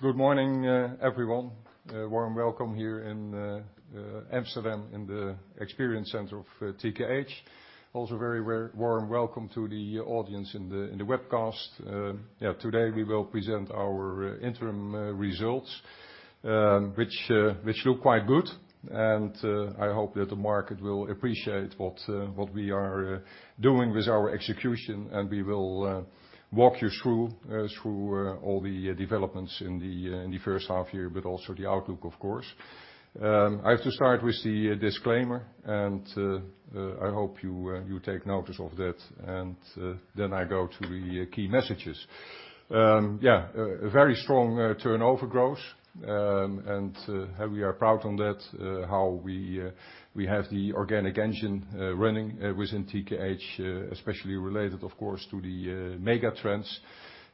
Good morning, everyone. A warm welcome here in Amsterdam in the experience center of TKH. Also very warm welcome to the audience in the webcast. Yeah, today we will present our interim results, which look quite good. I hope that the market will appreciate what we are doing with our execution, and we will walk you through all the developments in the first half year, but also the outlook, of course. I have to start with the disclaimer, and I hope you take notice of that. Then I go to the key messages. Yeah, a very strong turnover growth. We are proud on that how we have the organic engine running within TKH, especially related of course to the mega trends,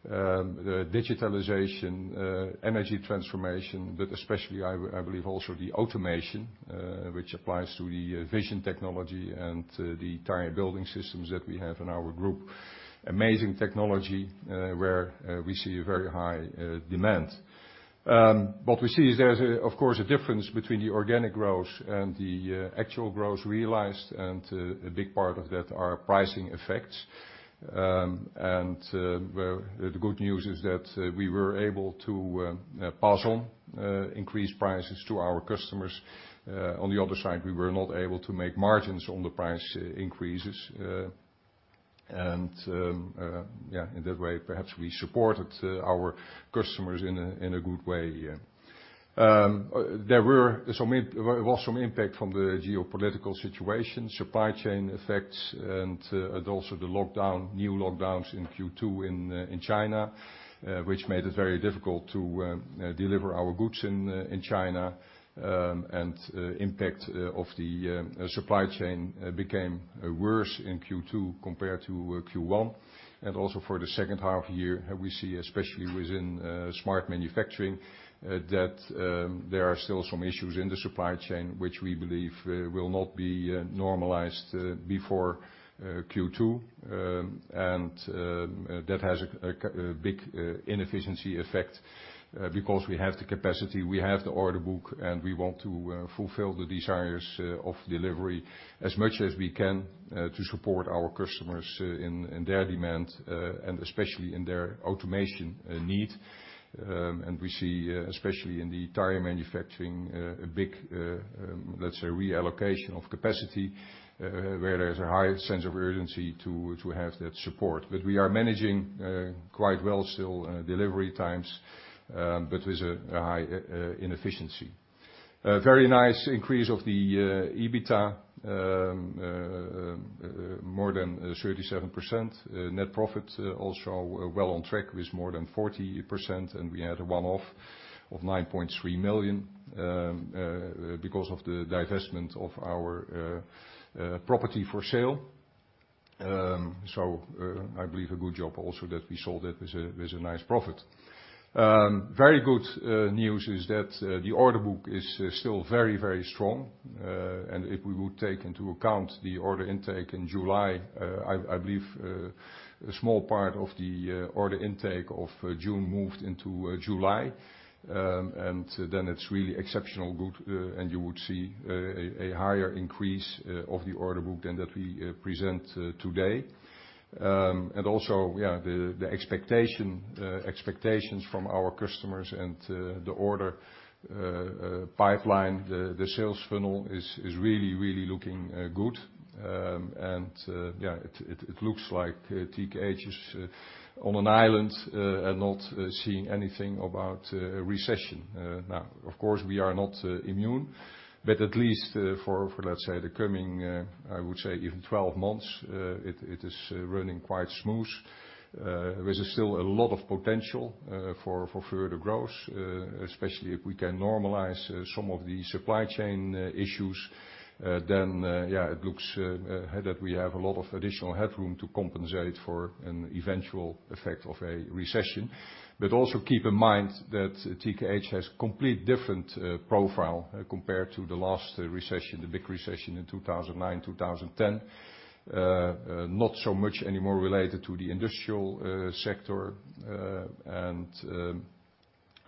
the digitalization, energy transformation, but especially I believe also the automation, which applies to the vision technology and the tire-building systems that we have in our group. Amazing technology where we see a very high demand. What we see is there's of course a difference between the organic growth and the actual growth realized, and a big part of that are pricing effects. The good news is that we were able to pass on increased prices to our customers. On the other side, we were not able to make margins on the price increases. Yeah, in that way, perhaps we supported our customers in a good way, yeah. There were some, well, some impact from the geopolitical situation, supply chain effects and also the lockdown, new lockdowns in Q2 in China, which made it very difficult to deliver our goods in China. Impact of the supply chain became worse in Q2 compared to Q1. Also for the second half year, we see, especially within smart manufacturing, that there are still some issues in the supply chain which we believe will not be normalized before Q2. That has a big inefficiency effect because we have the capacity, we have the order book, and we want to fulfill the desires of delivery as much as we can to support our customers in their demand and especially in their automation need. We see especially in the tire manufacturing a big, let's say, reallocation of capacity where there's a high sense of urgency to have that support. We are managing quite well still delivery times but with a high inefficiency. A very nice increase of the EBITDA more than 37%. Net profit also well on track with more than 40%, and we had a one-off of 9.3 million because of the divestment of our property for sale. I believe a good job also that we sold it with a nice profit. Very good news is that the order book is still very, very strong. If we would take into account the order intake in July, I believe a small part of the order intake of June moved into July. Then it's really exceptional good, and you would see a higher increase of the order book than that we present today. Yeah, the expectations from our customers and the order pipeline, the sales funnel is really looking good. Yeah, it looks like TKH is on an island and not seeing anything about recession. Now of course we are not immune, but at least for let's say the coming, I would say even 12 months, it is running quite smooth. There is still a lot of potential for further growth, especially if we can normalize some of the supply chain issues. Yeah, it looks that we have a lot of additional headroom to compensate for an eventual effect of a recession. Also keep in mind that TKH has completely different profile compared to the last recession, the big recession in 2009, 2010. Not so much anymore related to the industrial sector.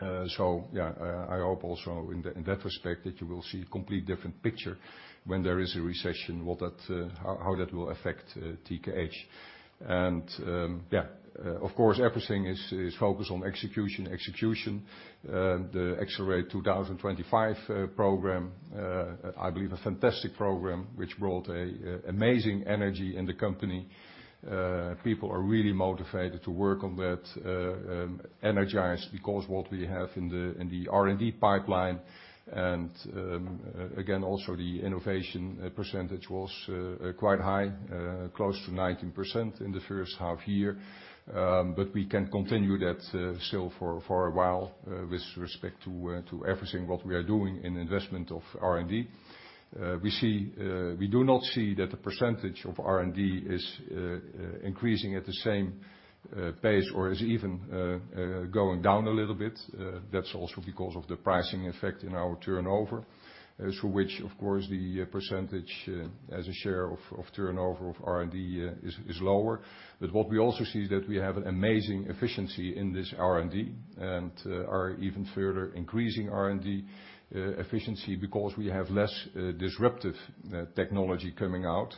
I hope also in that respect that you will see a completely different picture when there is a recession, how that will affect TKH. Of course, everything is focused on execution. The Accelerate 2025 program, I believe a fantastic program which brought a amazing energy in the company. People are really motivated to work on that, energized because what we have in the R&D pipeline, and again, also the innovation percentage was quite high, close to 19% in the first half year. We can continue that still for a while with respect to everything what we are doing in investment of R&D. We do not see that the percentage of R&D is increasing at the same pace or is even going down a little bit. That's also because of the pricing effect in our turnover through which of course the percentage as a share of turnover of R&D is lower. What we also see is that we have an amazing efficiency in this R&D and are even further increasing R&D efficiency because we have less disruptive technology coming out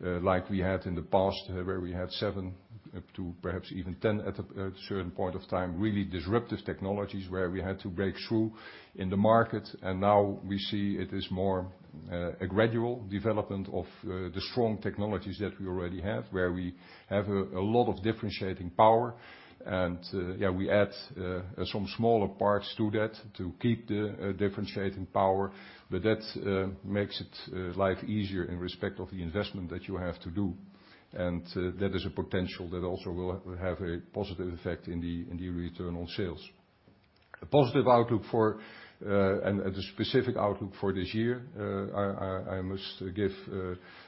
like we had in the past where we had 7 up to perhaps even 10 at a certain point of time really disruptive technologies where we had to break through in the market. And now we see it is more a gradual development of the strong technologies that we already have where we have a lot of differentiating power. And yeah, we add some smaller parts to that to keep the differentiating power. But that makes it life easier in respect of the investment that you have to do. That is a potential that also will have a positive effect in the Return on Sales. A positive outlook and the specific outlook for this year. I must give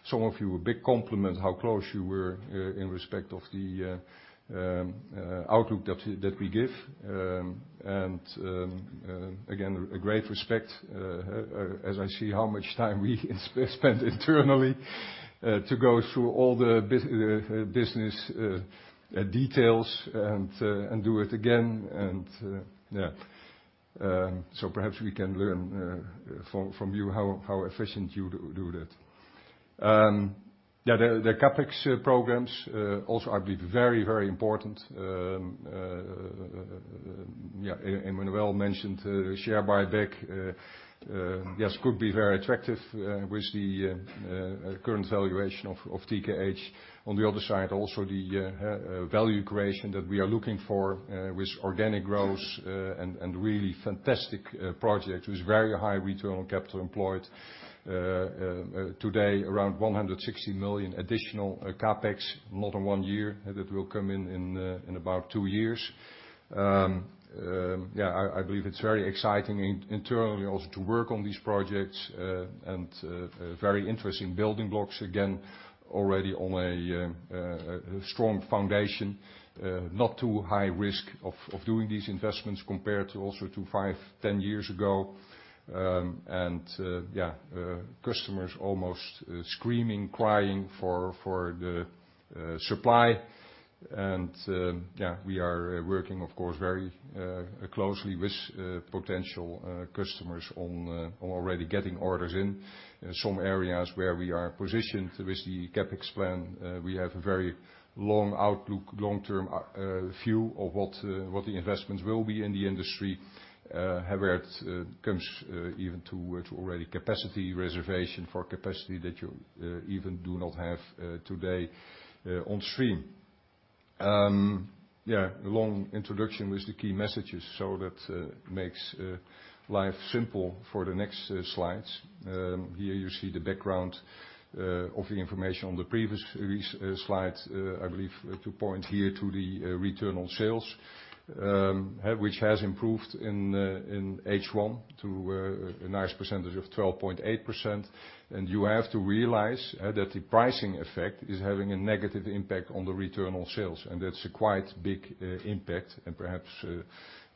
some of you a big compliment how close you were in respect of the outlook that we give. Again, a great respect as I see how much time we spend internally to go through all the business details and do it again. Perhaps we can learn from you how efficient you do that. The CapEx programs also will be very important. Emmanuel mentioned share buyback, yes, could be very attractive with the current valuation of TKH. On the other side, also the value creation that we are looking for with organic growth and really fantastic project with very high return on capital employed. Today, around 160 million additional CapEx, not in 1 year, that will come in about 2 years. I believe it's very exciting internally also to work on these projects and very interesting building blocks, again, already on a strong foundation. Not too high risk of doing these investments compared to also to 5, 10 years ago. Customers almost screaming, crying for the supply. We are working, of course, very closely with potential customers on already getting orders in some areas where we are positioned with the CapEx plan. We have a very long outlook, long-term view of what the investments will be in the industry. Where it comes even to already capacity reservation for capacity that you even do not have today on stream. A long introduction with the key messages, so that makes life simple for the next slides. Here you see the background of the information on the previous slide. I believe to point here to the Return on Sales, which has improved in H1 to a nice percentage of 12.8%. You have to realize that the pricing effect is having a negative impact on the Return on Sales, and that's a quite big impact. Perhaps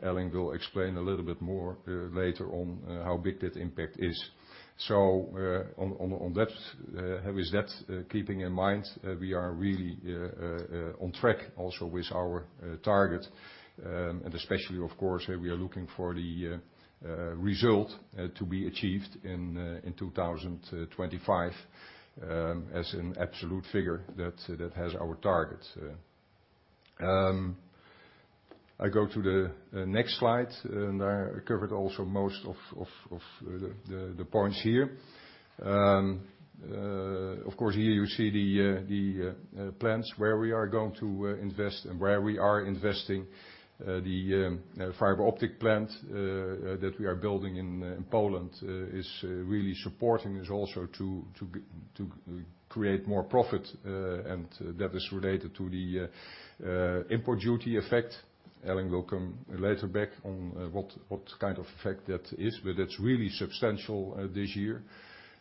Elling will explain a little bit more later on how big that impact is. With that in mind, we are really on track also with our target. Especially, of course, we are looking for the result to be achieved in 2025 as an absolute figure that has our target. I go to the next slide, and I covered also most of the points here. Of course, here you see the plants where we are going to invest and where we are investing. The Fiber Optic plant that we are building in Poland is really supporting this also to create more profit, and that is related to the import duty effect. Elling will come later back on what kind of effect that is, but it's really substantial this year.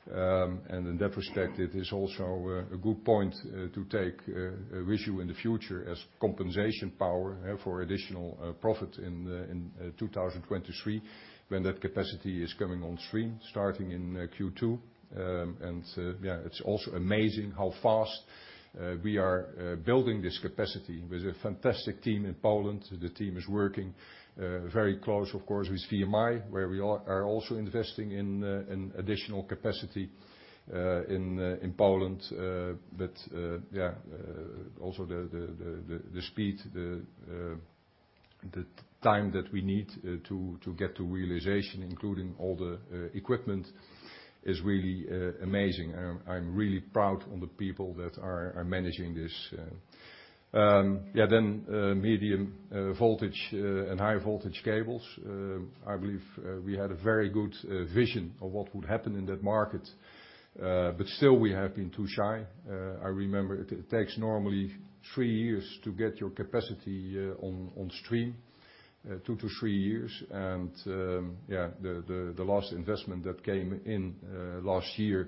In that respect, it is also a good point to take with you in the future as compensation power for additional profit in 2023, when that capacity is coming on stream, starting in Q2. Yeah, it's also amazing how fast we are building this capacity with a fantastic team in Poland. The team is working very close, of course, with VMI, where we are also investing in additional capacity in Poland. Also the speed, the time that we need to get to realization, including all the equipment, is really amazing. I'm really proud of the people that are managing this. Medium voltage and high voltage cables. I believe we had a very good vision of what would happen in that market, but still we have been too shy. I remember it takes normally three years to get your capacity on stream, two to three years. The last investment that came in last year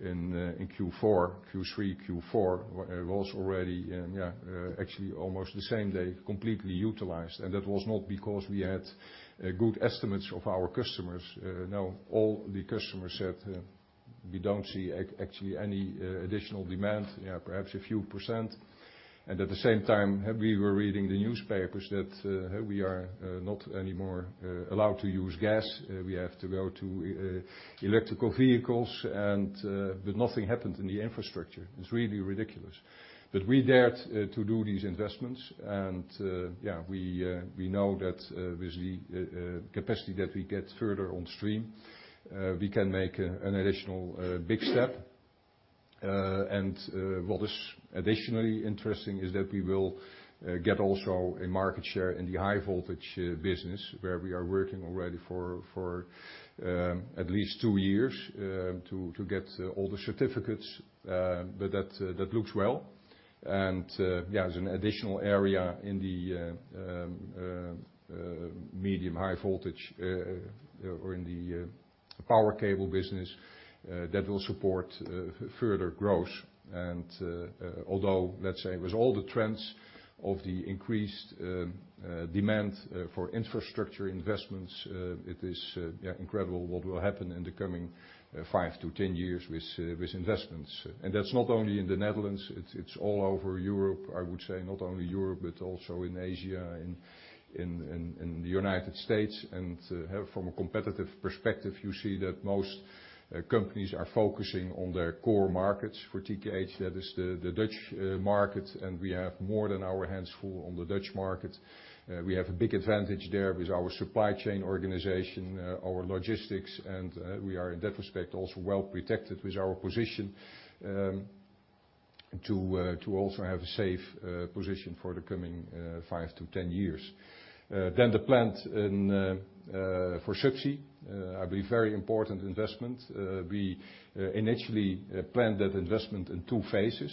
in Q3, Q4 was already actually almost the same day completely utilized. That was not because we had good estimates of our customers. No, all the customers said, "We don't see actually any additional demand, yeah, perhaps a few percent." At the same time, we were reading the newspapers that we are not anymore allowed to use gas. We have to go to electric vehicles and but nothing happened in the infrastructure. It's really ridiculous. We dared to do these investments and, yeah, we know that with the capacity that we get further on stream, we can make an additional big step. What is additionally interesting is that we will get also a market share in the High Voltage business where we are working already for at least two years to get all the certificates. That looks well. Yeah, as an additional area in the medium high voltage or in the power cable business, that will support further growth. Although, let's say with all the trends of the increased demand for infrastructure investments, it is, yeah, incredible what will happen in the coming 5-10 years with investments. That's not only in the Netherlands, it's all over Europe. I would say not only Europe, but also in Asia, in the United States. From a competitive perspective, you see that most companies are focusing on their core markets. For TKH, that is the Dutch market, and we have more than our hands full on the Dutch market. We have a big advantage there with our supply chain organization, our logistics, and we are in that respect also well-protected with our position to also have a safe position for the coming 5-10 years. The plant for subsea I believe very important investment. We initially planned that investment in two phases.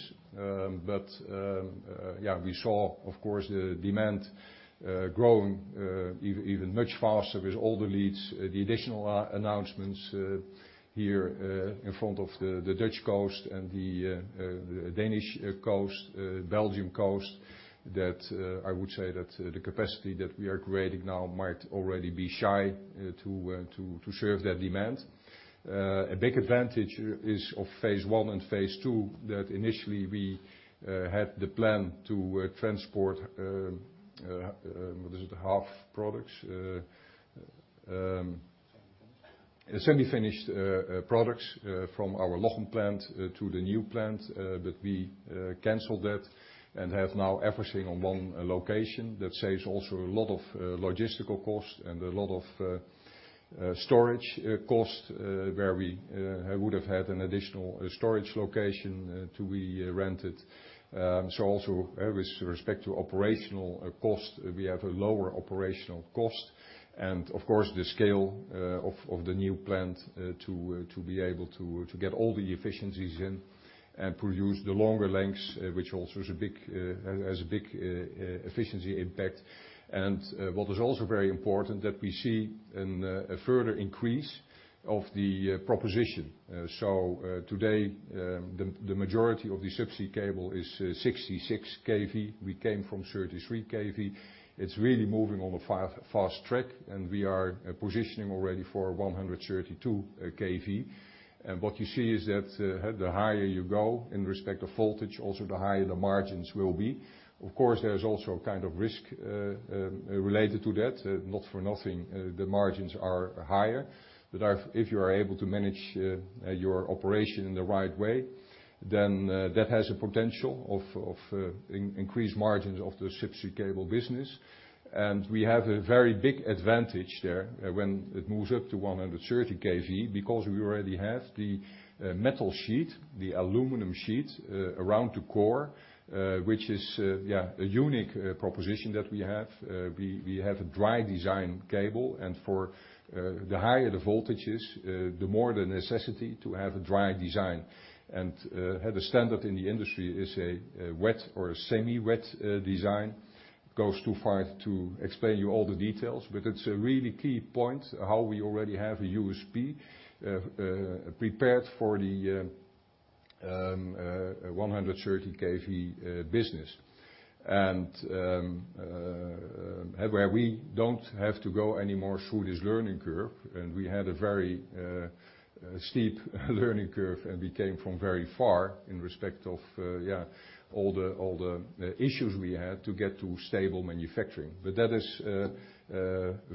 We saw, of course, the demand growing even much faster with all the leads, the additional announcements here in front of the Dutch coast and the Danish coast, Belgian coast, that I would say that the capacity that we are creating now might already be shy to serve that demand. A big advantage is of phase I and phase II that initially we had the plan to transport what is it? Half products. Semi-finished. Semi-finished products from our Lochem plant to the new plant, but we canceled that and have now everything on one location. That saves also a lot of logistical costs and a lot of storage costs, where we would have had an additional storage location to be rented. Also, with respect to operational cost, we have a lower operational cost. Of course, the scale of the new plant to be able to get all the efficiencies in and produce the longer lengths, which also has a big efficiency impact. What is also very important that we see a further increase of the proposition. Today, the majority of the subsea cable is 66 kV. We came from 33 kV. It's really moving on a fast track, and we are positioning already for 132 kV. What you see is that the higher you go in respect to voltage, also the higher the margins will be. Of course, there's also a kind of risk related to that. Not for nothing, the margins are higher. If you are able to manage your operation in the right way, then that has a potential of increased margins of the subsea cable business. We have a very big advantage there when it moves up to 130 kV because we already have the metal sheet, the aluminum sheet around the core, which is a unique proposition that we have. We have a dry design cable, and for the higher the voltages, the more the necessity to have a dry design. The standard in the industry is a wet or a semi-wet design. It goes too far to explain to you all the details, but it's a really key point how we already have a USP prepared for the 130 kV business and where we don't have to go anymore through this learning curve, and we had a very steep learning curve, and we came from very far in respect of all the issues we had to get to stable manufacturing. That is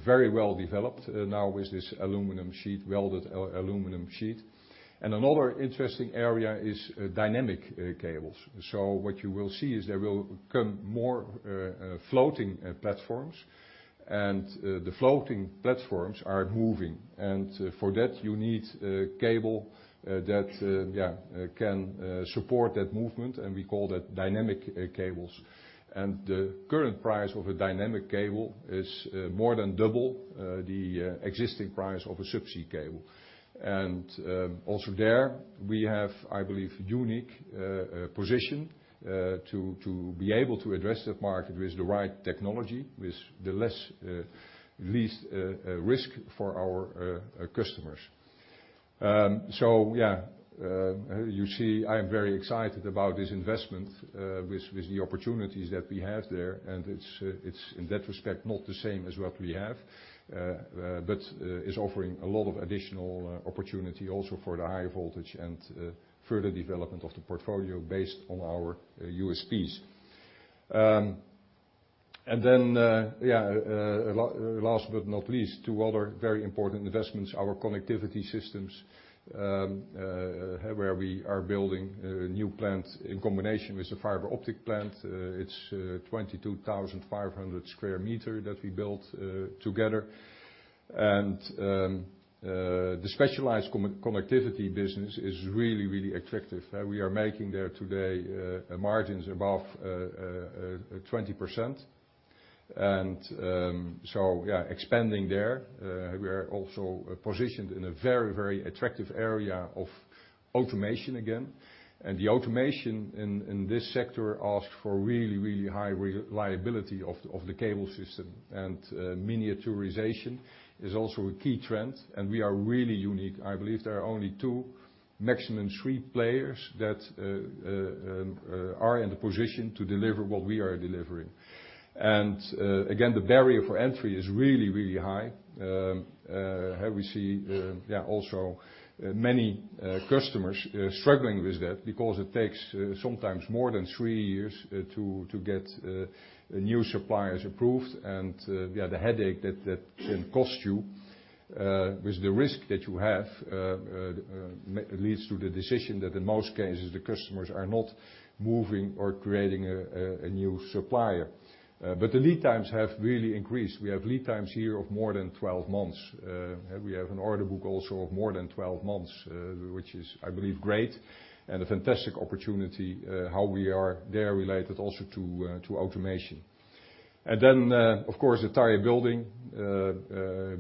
very well developed now with this aluminum sheet, welded aluminum sheet. Another interesting area is dynamic cables. What you will see is there will come more floating platforms, and the floating platforms are moving. For that, you need a cable that can support that movement, and we call that dynamic cables. The current price of a dynamic cable is more than double the existing price of a subsea cable. Also there, we have, I believe, unique position to be able to address that market with the right technology, with the least risk for our customers. You see, I am very excited about this investment with the opportunities that we have there. It's in that respect not the same as what we have, but is offering a lot of additional opportunity also for the high voltage and further development of the portfolio based on our USPs. Last but not least, two other very important investments, our connectivity systems, where we are building a new plant in combination with the fiber optic plant. It's 22,500 square meters that we built together. The specialized connectivity business is really, really attractive. We are making there today margins above 20%. Expanding there. We are also positioned in a very attractive area of automation again, and the automation in this sector asks for really, really high reliability of the cable system. Miniaturization is also a key trend, and we are really unique. I believe there are only two, maximum three players that are in the position to deliver what we are delivering. Again, the barrier for entry is really, really high. We see also many customers struggling with that because it takes sometimes more than three years to get new suppliers approved. The headache that can cost you with the risk that you have leads to the decision that in most cases, the customers are not moving or creating a new supplier. But the lead times have really increased. We have lead times here of more than 12 months. We have an order book also of more than 12 months, which is, I believe, great and a fantastic opportunity, how we are there related also to automation. Of course, the tire building,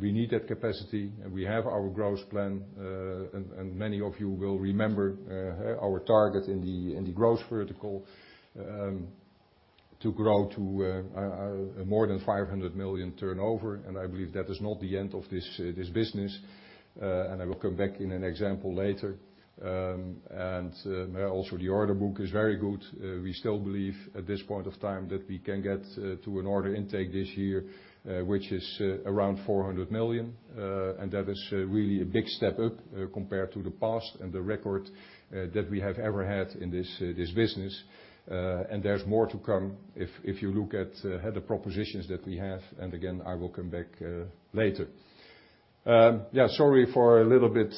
we need that capacity, and we have our growth plan. Many of you will remember our target in the growth vertical to grow to more than 500 million turnover. I believe that is not the end of this business. I will come back in an example later. Also the order book is very good. We still believe at this point of time that we can get to an order intake this year, which is around 400 million. That is really a big step up compared to the past and the record that we have ever had in this business. There's more to come if you look at the propositions that we have, and again, I will come back later. Yeah, sorry for a little bit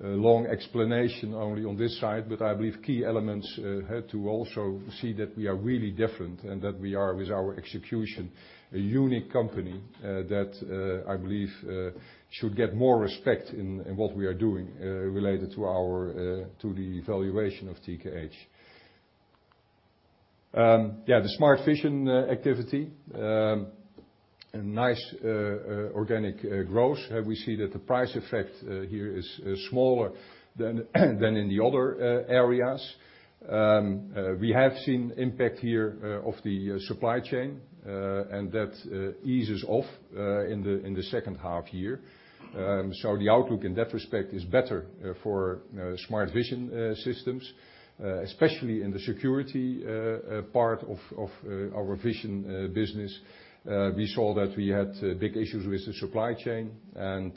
long explanation only on this side, but I believe key elements had to also see that we are really different and that we are with our execution a unique company that I believe should get more respect in what we are doing related to our to the valuation of TKH. Yeah, the Smart Vision activity a nice organic growth. We see that the price effect here is smaller than in the other areas. We have seen impact here of the supply chain and that eases off in the second half year. The outlook in that respect is better for Smart Vision systems, especially in the security part of our vision business. We saw that we had big issues with the supply chain, and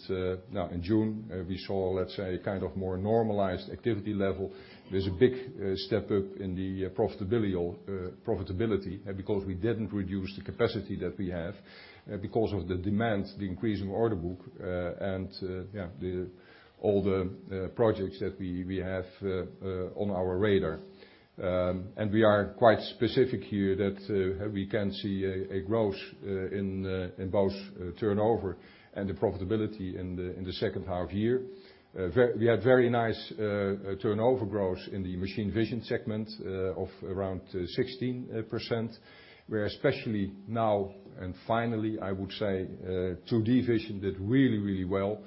now in June, we saw, let's say, kind of more normalized activity level. There's a big step up in the profitability because we didn't reduce the capacity that we have because of the demand, the increase in order book, and yeah, all the projects that we have on our radar. We are quite specific here that we can see a growth in both turnover and the profitability in the second half year. We had very nice turnover growth in the machine vision segment of around 16%, where especially now, and finally, I would say, 2D vision did really, really well.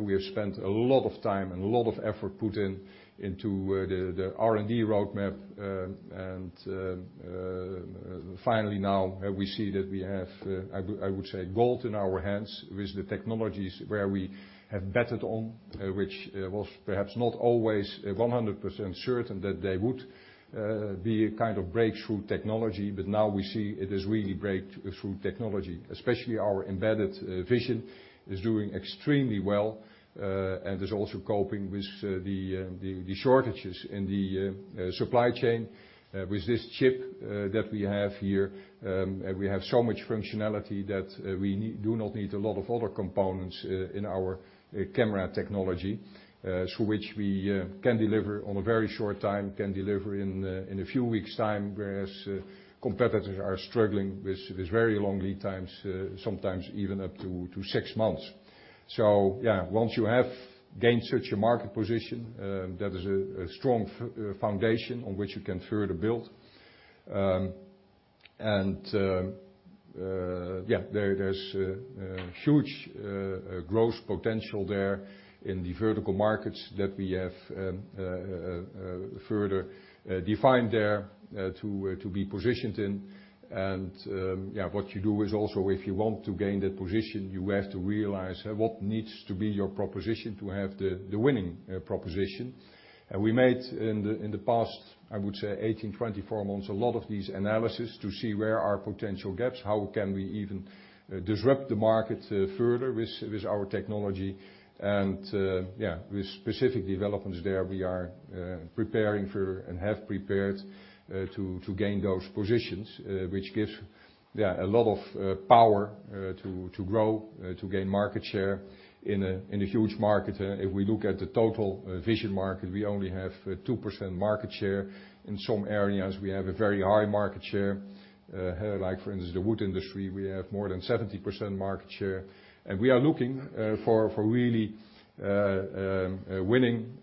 We have spent a lot of time and a lot of effort put in into the R&D roadmap. Finally now we see that we have, I would say, gold in our hands with the technologies where we have betted on, which was perhaps not always 100% certain that they would be a kind of breakthrough technology. Now we see it is really breakthrough technology, especially our embedded vision is doing extremely well, and is also coping with the shortages in the supply chain with this chip that we have here. We have so much functionality that we do not need a lot of other components in our camera technology, so we can deliver in a few weeks time, whereas competitors are struggling with very long lead times, sometimes even up to six months. Yeah, once you have gained such a market position, that is a strong foundation on which you can further build. There's huge growth potential there in the vertical markets that we have further defined there to be positioned in. What you do is also, if you want to gain that position, you have to realize what needs to be your proposition to have the winning proposition. We made in the past, I would say 18-24 months, a lot of these analyses to see where are potential gaps, how can we even disrupt the market further with our technology. With specific developments there, we are preparing for and have prepared to gain those positions, which gives a lot of power to grow to gain market share in a huge market. If we look at the total vision market, we only have 2% market share. In some areas, we have a very high market share. Like for instance, the wood industry, we have more than 70% market share. We are looking for really winning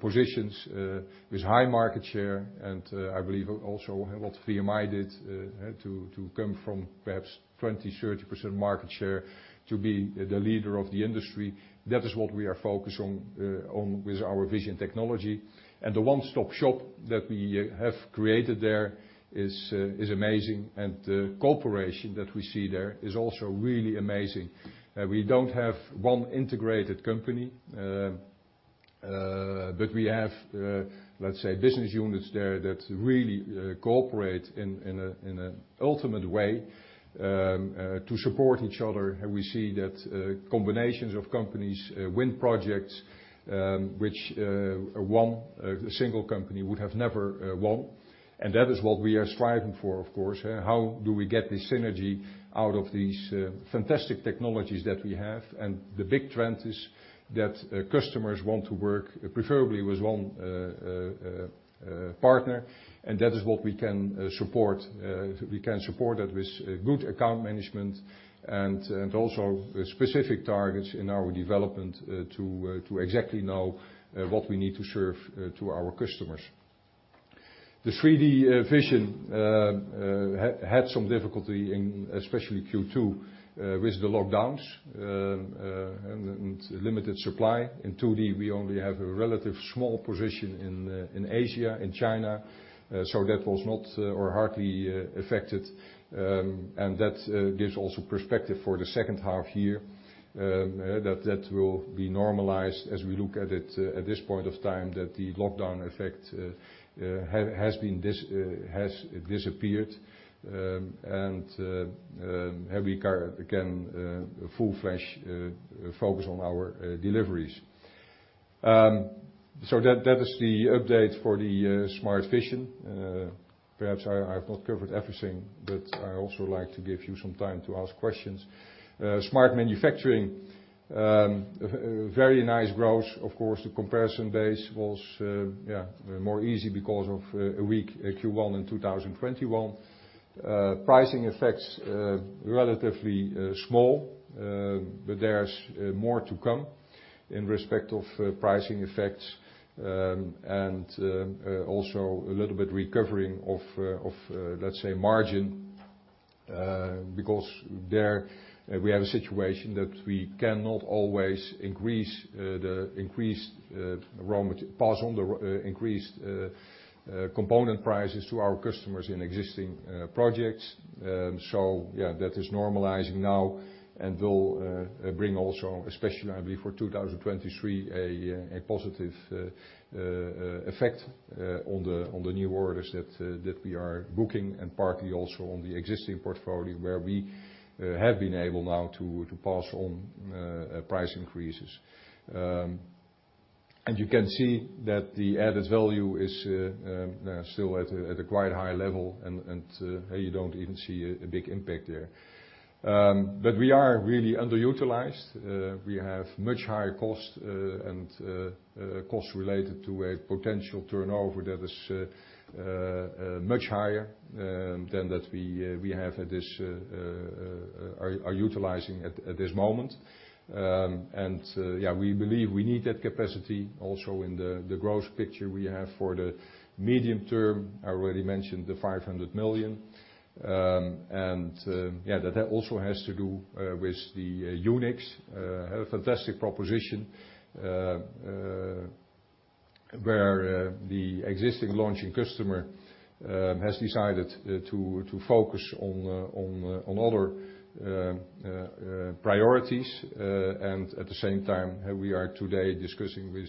positions with high market share. I believe also what VMI did to come from perhaps 20%-30% market share to be the leader of the industry. That is what we are focused on with our vision technology. The one-stop shop that we have created there is amazing. The cooperation that we see there is also really amazing. We don't have one integrated company, but we have, let's say, business units there that really cooperate in an ultimate way to support each other. We see that combinations of companies win projects, which one single company would have never won. That is what we are striving for, of course. How do we get the synergy out of these fantastic technologies that we have? The big trend is that customers want to work preferably with one partner, and that is what we can support. We can support that with good account management and also specific targets in our development to exactly know what we need to serve to our customers. The 3D vision had some difficulty, especially in Q2, with the lockdowns and limited supply. In 2D, we only have a relatively small position in Asia, in China, so that was not or hardly affected. That gives also perspective for the second half year that will be normalized as we look at it at this point in time that the lockdown effect has disappeared and we can fully focus on our deliveries. That is the update for the Smart Vision. Perhaps I've not covered everything, but I also like to give you some time to ask questions. Smart Manufacturing very nice growth. Of course, the comparison base was more easy because of a weak Q1 in 2021. Pricing effects relatively small, but there's more to come in respect of pricing effects, and also a little bit recovering of, let's say, margin, because there we have a situation that we cannot always pass on the increased component prices to our customers in existing projects. That is normalizing now and will bring also, especially I believe for 2023, a positive effect on the new orders that we are booking and partly also on the existing portfolio where we have been able now to pass on price increases. You can see that the added value is still at a quite high level, and you don't even see a big impact there. We are really underutilized. We have much higher costs and costs related to a potential turnover that is much higher than that we are utilizing at this moment. We believe we need that capacity also in the growth picture we have for the medium term. I already mentioned the 500 million. That also has to do with the UNIXX, a fantastic proposition, where the existing launching customer has decided to focus on other priorities. At the same time, we are today discussing with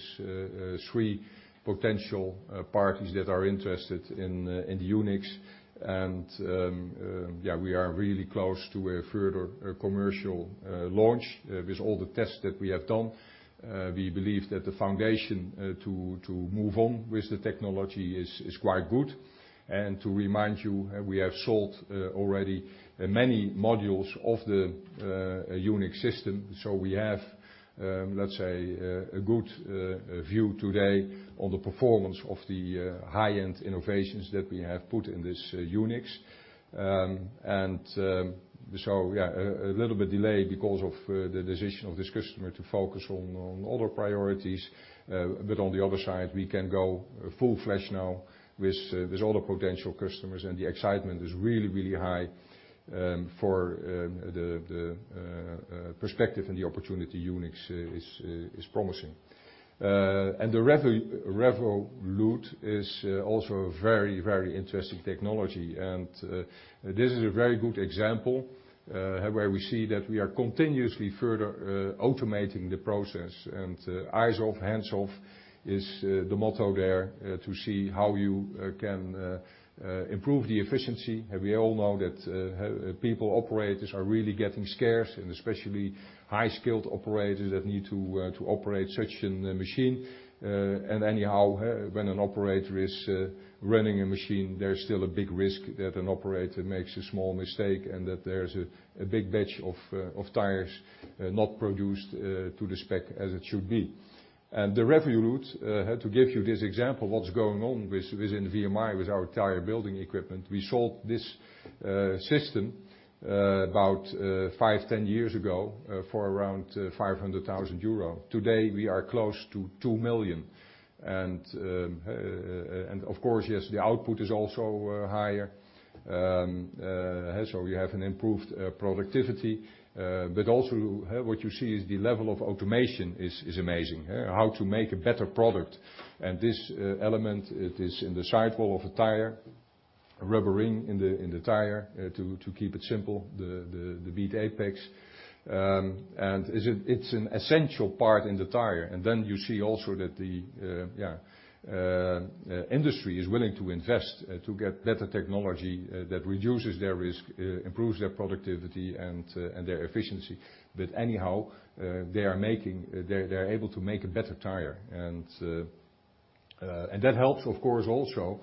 three potential parties that are interested in the UNIXX. We are really close to a further commercial launch with all the tests that we have done. We believe that the foundation to move on with the technology is quite good. To remind you, we have sold already many modules of the UNIXX system. We have, let's say, a good view today on the performance of the high-end innovations that we have put in this UNIXX. A little bit delayed because of the decision of this customer to focus on other priorities. On the other side, we can go full force now with all the potential customers, and the excitement is really high for the perspective and the opportunity UNIXX is promising. The Revolute is also a very interesting technology. This is a very good example where we see that we are continuously further automating the process. Eyes off, hands off is the motto there to see how you can improve the efficiency. We all know that operators are really getting scarce, and especially high-skilled operators that need to operate such a machine. Anyhow, when an operator is running a machine, there's still a big risk that an operator makes a small mistake and that there's a big batch of tires not produced to the spec as it should be. The Revolute, to give you this example, what's going on within VMI, with our tire-building equipment, we sold this system about 5-10 years ago for around 500,000 euro. Today, we are close to 2 million. Of course, yes, the output is also higher. We have an improved productivity. What you see is the level of automation is amazing, how to make a better product. This element, it is in the sidewall of a tire. A rubber ring in the tire, to keep it simple, the Bead Apex. It's an essential part in the tire, and then you see also that the industry is willing to invest, to get better technology that reduces their risk, improves their productivity and their efficiency. Anyhow, they're able to make a better tire. That helps of course also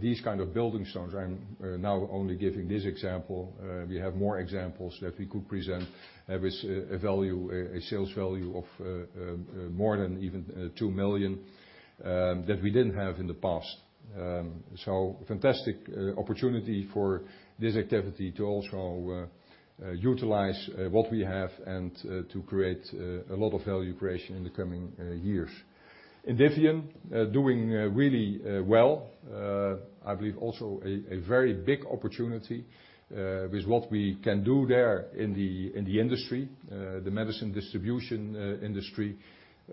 these kind of building stones. I'm now only giving this example. We have more examples that we could present with a sales value of more than even 2 million that we didn't have in the past. Fantastic opportunity for this activity to also utilize what we have and to create a lot of value creation in the coming years. In VMI, doing really well, I believe also a very big opportunity with what we can do there in the industry, the machine distribution industry.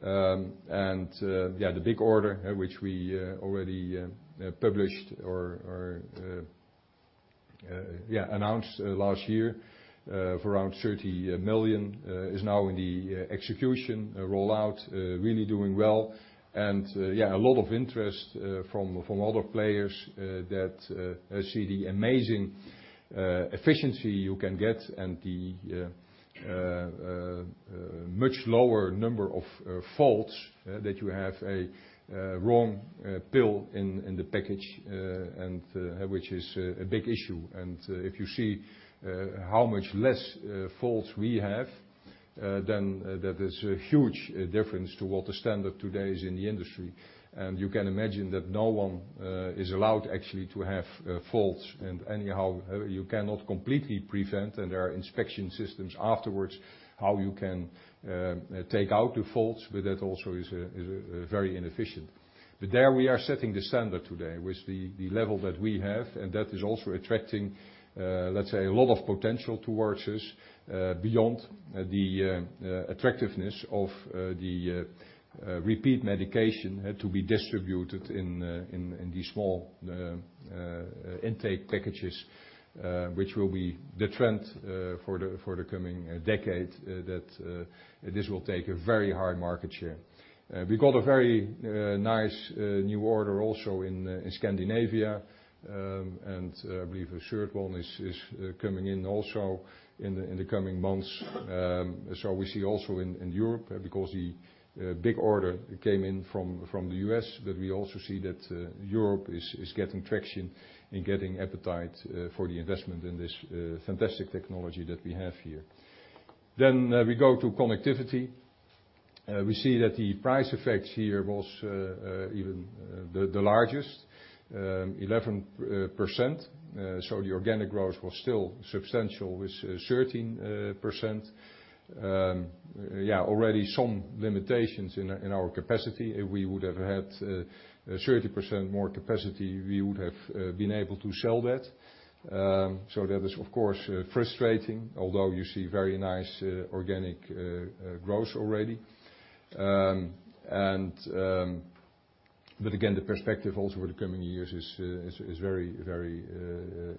The big order which we already published or announced last year of around 30 million is now in the execution rollout, really doing well. Yeah, a lot of interest from other players that see the amazing efficiency you can get and the much lower number of faults that you have a wrong pill in the package, and which is a big issue. If you see how much less faults we have, then that is a huge difference to what the standard today is in the industry. You can imagine that no one is allowed actually to have faults. Anyhow, you cannot completely prevent, and there are inspection systems afterwards how you can take out the faults, but that also is very inefficient. There we are setting the standard today with the level that we have, and that is also attracting, let's say, a lot of potential towards us, beyond the attractiveness of the repeat medication to be distributed in these small intake packages, which will be the trend for the coming decades, that this will take a very high market share. We got a very nice new order also in Scandinavia. I believe a third one is coming in also in the coming months. We see also in Europe, because the big order came in from the U.S,, but we also see that Europe is getting traction and getting appetite for the investment in this fantastic technology that we have here. We go to connectivity. We see that the price effect here was even the largest 11%. The organic growth was still substantial with 13%. Yeah, already some limitations in our capacity. If we would have had 30% more capacity, we would have been able to sell that. That is of course frustrating, although you see very nice organic growth already. But again, the perspective also for the coming years is very, very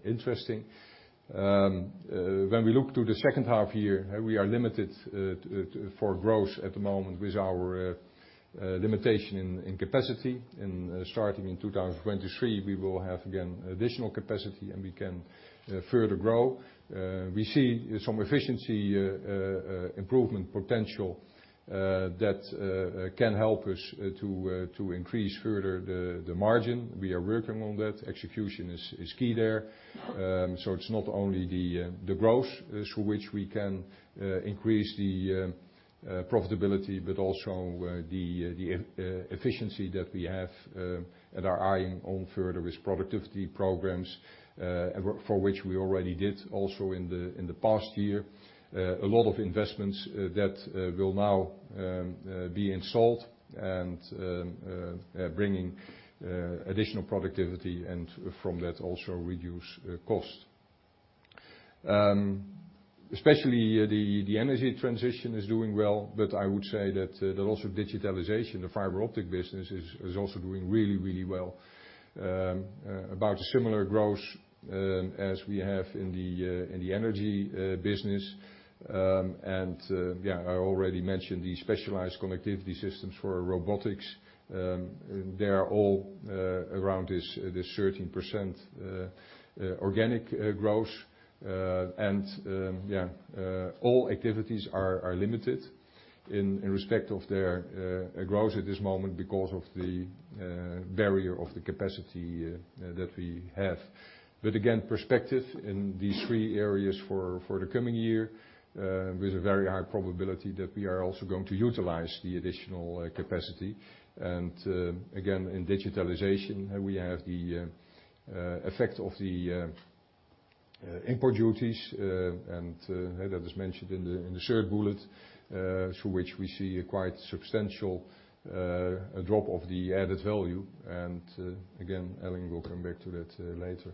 interesting. When we look to the second half year, we are limited to growth at the moment with our limitation in capacity. Starting in 2023, we will have again additional capacity, and we can further grow. We see some efficiency improvement potential that can help us to increase further the margin. We are working on that. Execution is key there. It's not only the growth as to which we can increase the profitability, but also the efficiency that we have and are eyeing on further with productivity programs for which we already did also in the past year. A lot of investments that will now be installed and bringing additional productivity and from that also reduce cost. Especially the energy transition is doing well, but I would say that also digitalization, the Fiber Optic business is also doing really, really well about similar growth as we have in the energy business. I already mentioned the specialized connectivity systems for robotics. They are all around this 13% organic growth. All activities are limited in respect of their growth at this moment because of the barrier of the capacity that we have. Again, perspective in these three areas for the coming year with a very high probability that we are also going to utilize the additional capacity. Again, in digitalization, we have the effect of the import duties, as I just mentioned in the third bullet, through which we see a quite substantial drop of the added value. Again, Elling will come back to that later.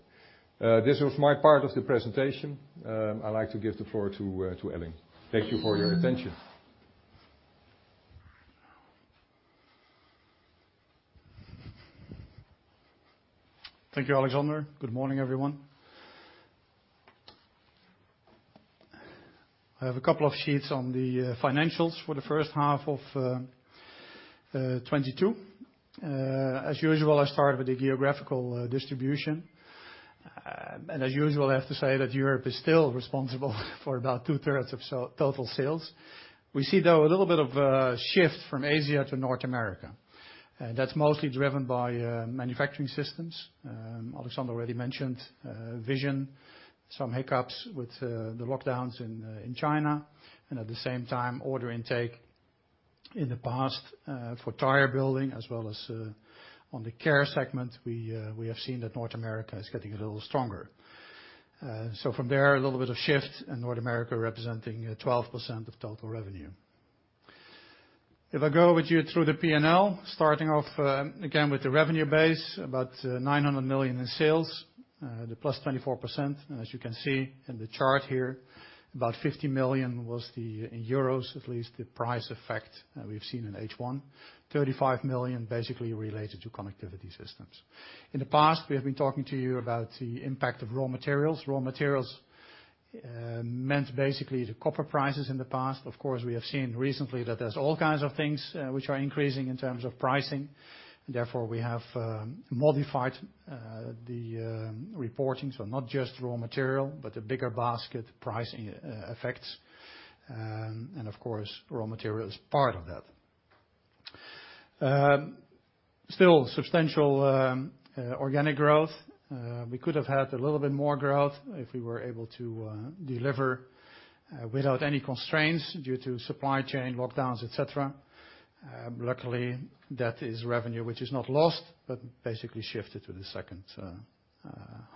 This was my part of the presentation. I'd like to give the floor to Elling. Thank you for your attention. Thank you, Alexander. Good morning, everyone. I have a couple of sheets on the financials for the first half of 2022. As usual, I start with the geographical distribution. As usual, I have to say that Europe is still responsible for about 2/3 of total sales. We see, though, a little bit of a shift from Asia to North America, and that's mostly driven by manufacturing systems. Alexander already mentioned vision, some hiccups with the lockdowns in China, and at the same time, order intake in the U.S. for tire building as well as on the cable segment, we have seen that North America is getting a little stronger. From there, a little bit of shift, and North America representing 12% of total revenue. If I go with you through the P&L, starting off, again, with the revenue base, about 900 million in sales, the +24%, as you can see in the chart here, about 50 million was the price effect, in euros at least, we've seen in H1. 35 million basically related to connectivity systems. In the past, we have been talking to you about the impact of raw materials. Raw materials meant basically the copper prices in the past. Of course, we have seen recently that there's all kinds of things which are increasing in terms of pricing. Therefore, we have modified the reporting, so not just raw material, but a bigger basket pricing effects. Of course, raw material is part of that. Still substantial organic growth. We could have had a little bit more growth if we were able to deliver without any constraints due to supply chain lockdowns, et cetera. Luckily, that is revenue which is not lost, but basically shifted to the second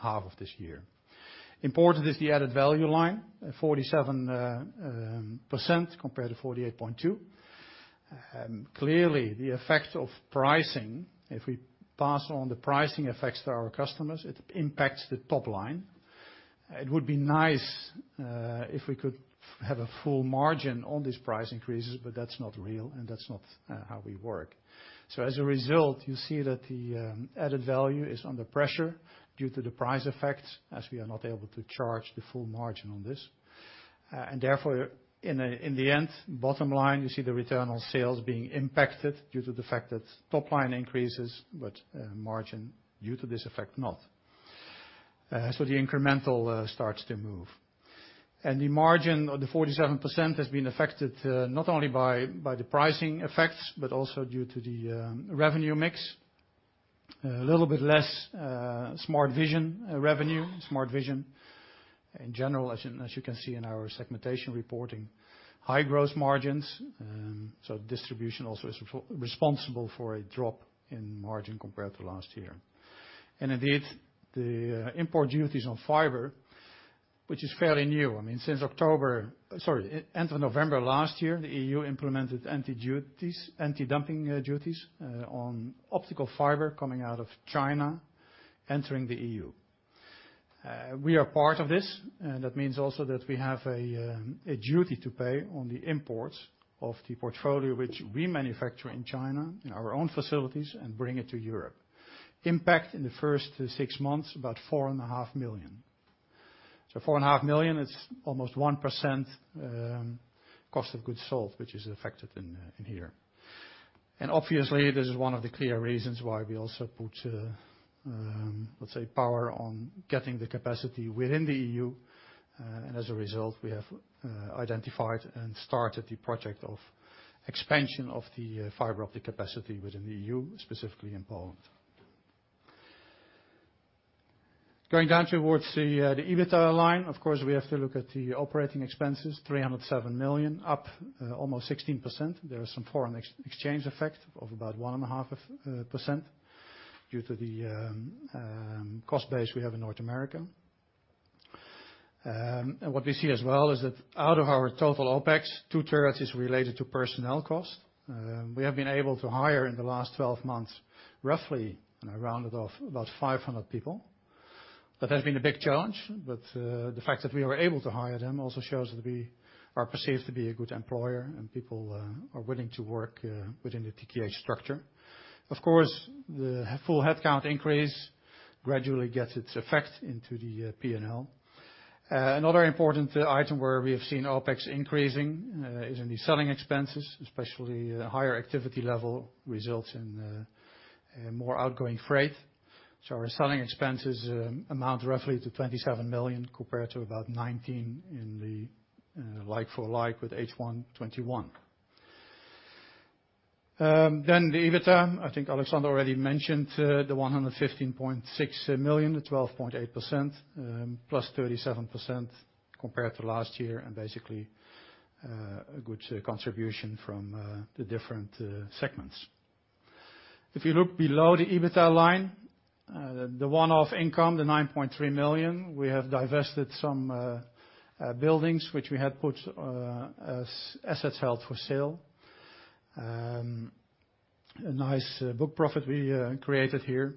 half of this year. Important is the added value line, at 47% compared to 48.2%. Clearly the effect of pricing, if we pass on the pricing effects to our customers, it impacts the top line. It would be nice if we could have a full margin on these price increases, but that's not real, and that's not how we work. As a result, you see that the added value is under pressure due to the price effects as we are not able to charge the full margin on this. Therefore, in the end, bottom line, you see the return on sales being impacted due to the fact that top line increases, but margin due to this effect not. The incremental starts to move. The margin of the 47% has been affected, not only by the pricing effects, but also due to the revenue mix. A little bit less Smart Vision revenue. Smart Vision in general, as you can see in our segmentation reporting, high gross margins. Distribution also is responsible for a drop in margin compared to last year. Indeed, the import duties on fiber, which is fairly new. End of November last year, the EU implemented anti-dumping duties on optical fiber coming out of China entering the EU. We are part of this, and that means also that we have a duty to pay on the imports of the portfolio which we manufacture in China, in our own facilities, and bring it to Europe. Impact in the first six months, about 4.5 million. So 4.5 million, it's almost 1% cost of goods sold, which is affected in here. Obviously, this is one of the clear reasons why we also put, let's say, power on getting the capacity within the EU, and as a result, we have identified and started the project of expansion of the Fiber Optic capacity within the EU, specifically in Poland. Going down towards the EBITDA line, of course, we have to look at the operating expenses, 307 million, up almost 16%. There is some foreign exchange effect of about 1.5% due to the cost base we have in North America. What we see as well is that out of our total OpEx, 2/3 is related to personnel costs. We have been able to hire in the last 12 months, roughly, and I rounded off, about 500 people. That has been a big challenge, but the fact that we were able to hire them also shows that we are perceived to be a good employer and people are willing to work within the TKH structure. Of course, the full headcount increase gradually gets its effect into the P&L. Another important item where we have seen OpEx increasing is in the selling expenses, especially higher activity level results in more outgoing freight. Our selling expenses amount roughly to 27 million compared to about 19 million in the like-for-like with H1 2021. The EBITDA, I think Alexander already mentioned, the 115.6 million, the 12.8%, +37% compared to last year, and basically, a good contribution from the different segments. If you look below the EBITDA line, the one-off income, the 9.3 million, we have divested some buildings which we had put as assets held for sale. A nice book profit we created here.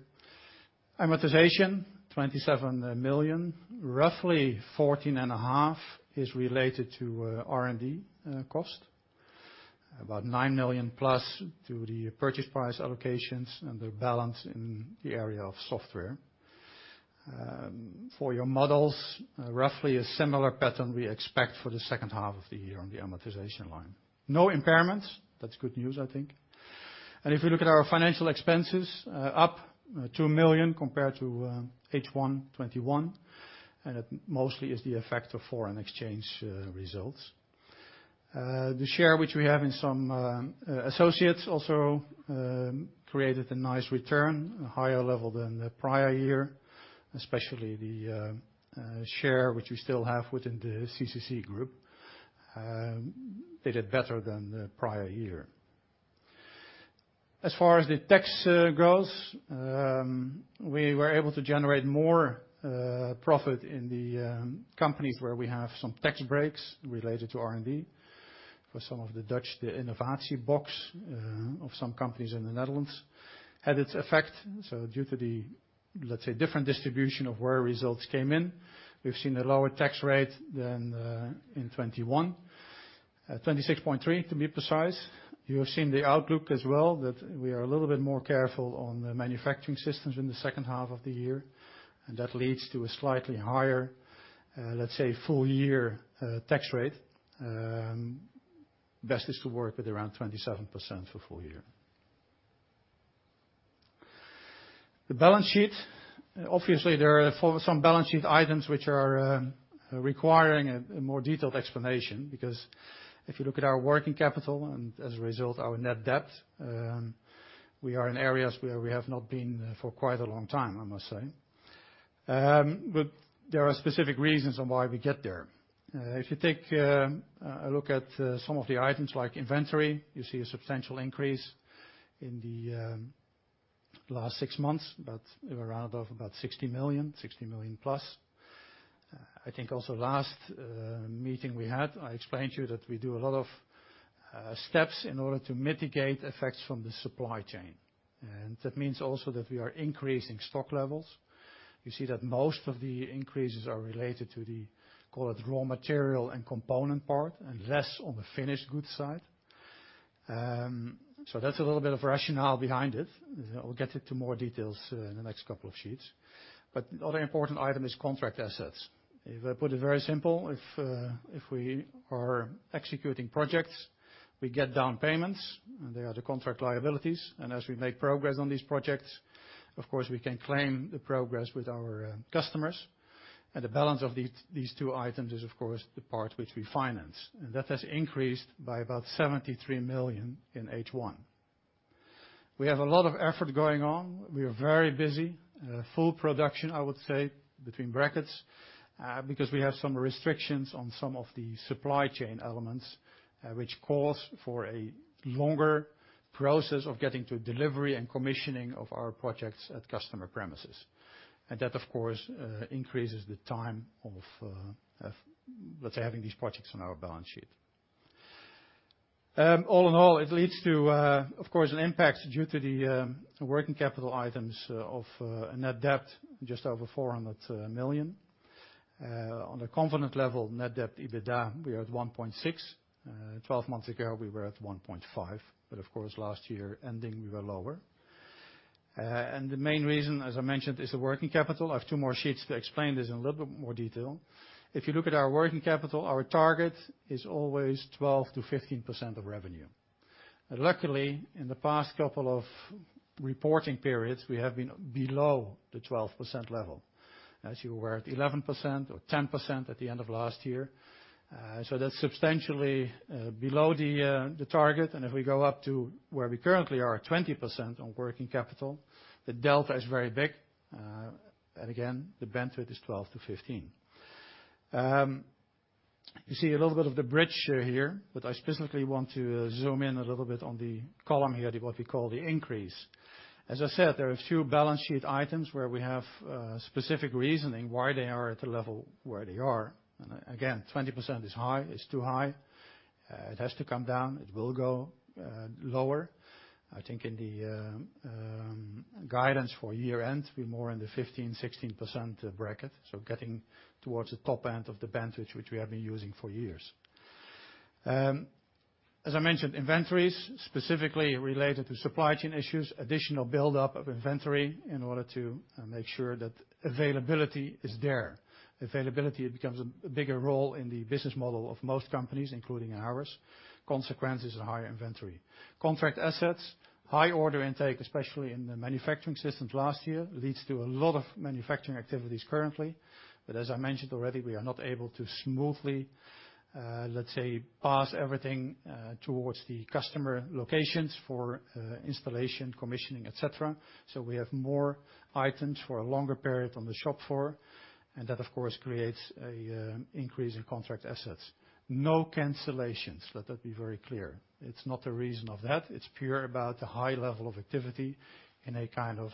Amortization, 27 million. Roughly 14.5 million is related to R&D cost. About 9 million plus to the purchase price allocations and the balance in the area of software. For your models, roughly a similar pattern we expect for the second half of the year on the amortization line. No impairments, that's good news, I think. If you look at our financial expenses, up 2 million compared to H1 2021, and it mostly is the effect of foreign exchange results. The share which we have in some associates also created a nice return, a higher level than the prior year, especially the share which we still have within the CCC Group, did it better than the prior year. As far as the tax goes, we were able to generate more profit in the companies where we have some tax breaks related to R&D. For some of the Dutch, the Innovation Box of some companies in the Netherlands had its effect. Due to the, let's say, different distribution of where results came in, we've seen a lower tax rate than in 2021. 26.3% to be precise. You have seen the outlook as well, that we are a little bit more careful on the manufacturing systems in the second half of the year, and that leads to a slightly higher, let's say, full year tax rate. Best is to work with around 27% for full year. The balance sheet. Obviously there are some balance sheet items which are requiring a more detailed explanation because if you look at our working capital and as a result our net debt, we are in areas where we have not been for quite a long time, I must say. There are specific reasons on why we get there. If you take a look at some of the items like inventory, you see a substantial increase in the last six months, but we're around about +60 million. I think also last meeting we had, I explained to you that we do a lot of steps in order to mitigate effects from the supply chain. That means also that we are increasing stock levels. You see that most of the increases are related to the, call it raw material and component part, and less on the finished goods side. So that's a little bit of rationale behind it. We'll get into more details in the next couple of sheets. The other important item is Contract Assets. If I put it very simple, if we are executing projects, we get down payments, and they are the Contract Liabilities. As we make progress on these projects, of course, we can claim the progress with our customers. The balance of these two items is of course the part which we finance. That has increased by about 73 million in H1. We have a lot of effort going on. We are very busy, full production, I would say between brackets, because we have some restrictions on some of the supply chain elements, which calls for a longer process of getting to delivery and commissioning of our projects at customer premises. That, of course, increases the time of, let's say, having these projects on our balance sheet. All in all, it leads to, of course, an impact due to the working capital items of a net debt just over 400 million. On a covenant level, net debt/EBITDA, we are at 1.6. Twelve months ago, we were at 1.5. Of course last year ending, we were lower. The main reason, as I mentioned, is the working capital. I have two more sheets to explain this in a little bit more detail. If you look at our working capital, our target is always 12%-15% of revenue. Luckily, in the past couple of reporting periods, we have been below the 12% level. As we were at 11% or 10% at the end of last year. So that's substantially below the target. If we go up to where we currently are, 20% on working capital, the delta is very big. Again, the bandwidth is 12%-15%. You see a little bit of the bridge here, but I specifically want to zoom in a little bit on the column here, what we call the increase. As I said, there are a few balance sheet items where we have specific reasoning why they are at the level where they are. Again, 20% is high, is too high. It has to come down, it will go lower. I think in the guidance for year-end, we're more in the 15%, 16% bracket, getting towards the top end of the bandwidth, which we have been using for years. As I mentioned, inventories specifically related to supply chain issues, additional build-up of inventory in order to make sure that availability is there. Availability becomes a bigger role in the business model of most companies, including ours. Consequence is a higher inventory. Contract Assets, high order intake, especially in the manufacturing systems last year, leads to a lot of manufacturing activities currently. As I mentioned already, we are not able to smoothly, let's say, pass everything towards the customer locations for installation, commissioning, et cetera. We have more items for a longer period on the shop floor, and that of course creates an increase in contract assets. No cancellations, let that be very clear. It's not a reason of that. It's pure about the high level of activity in a kind of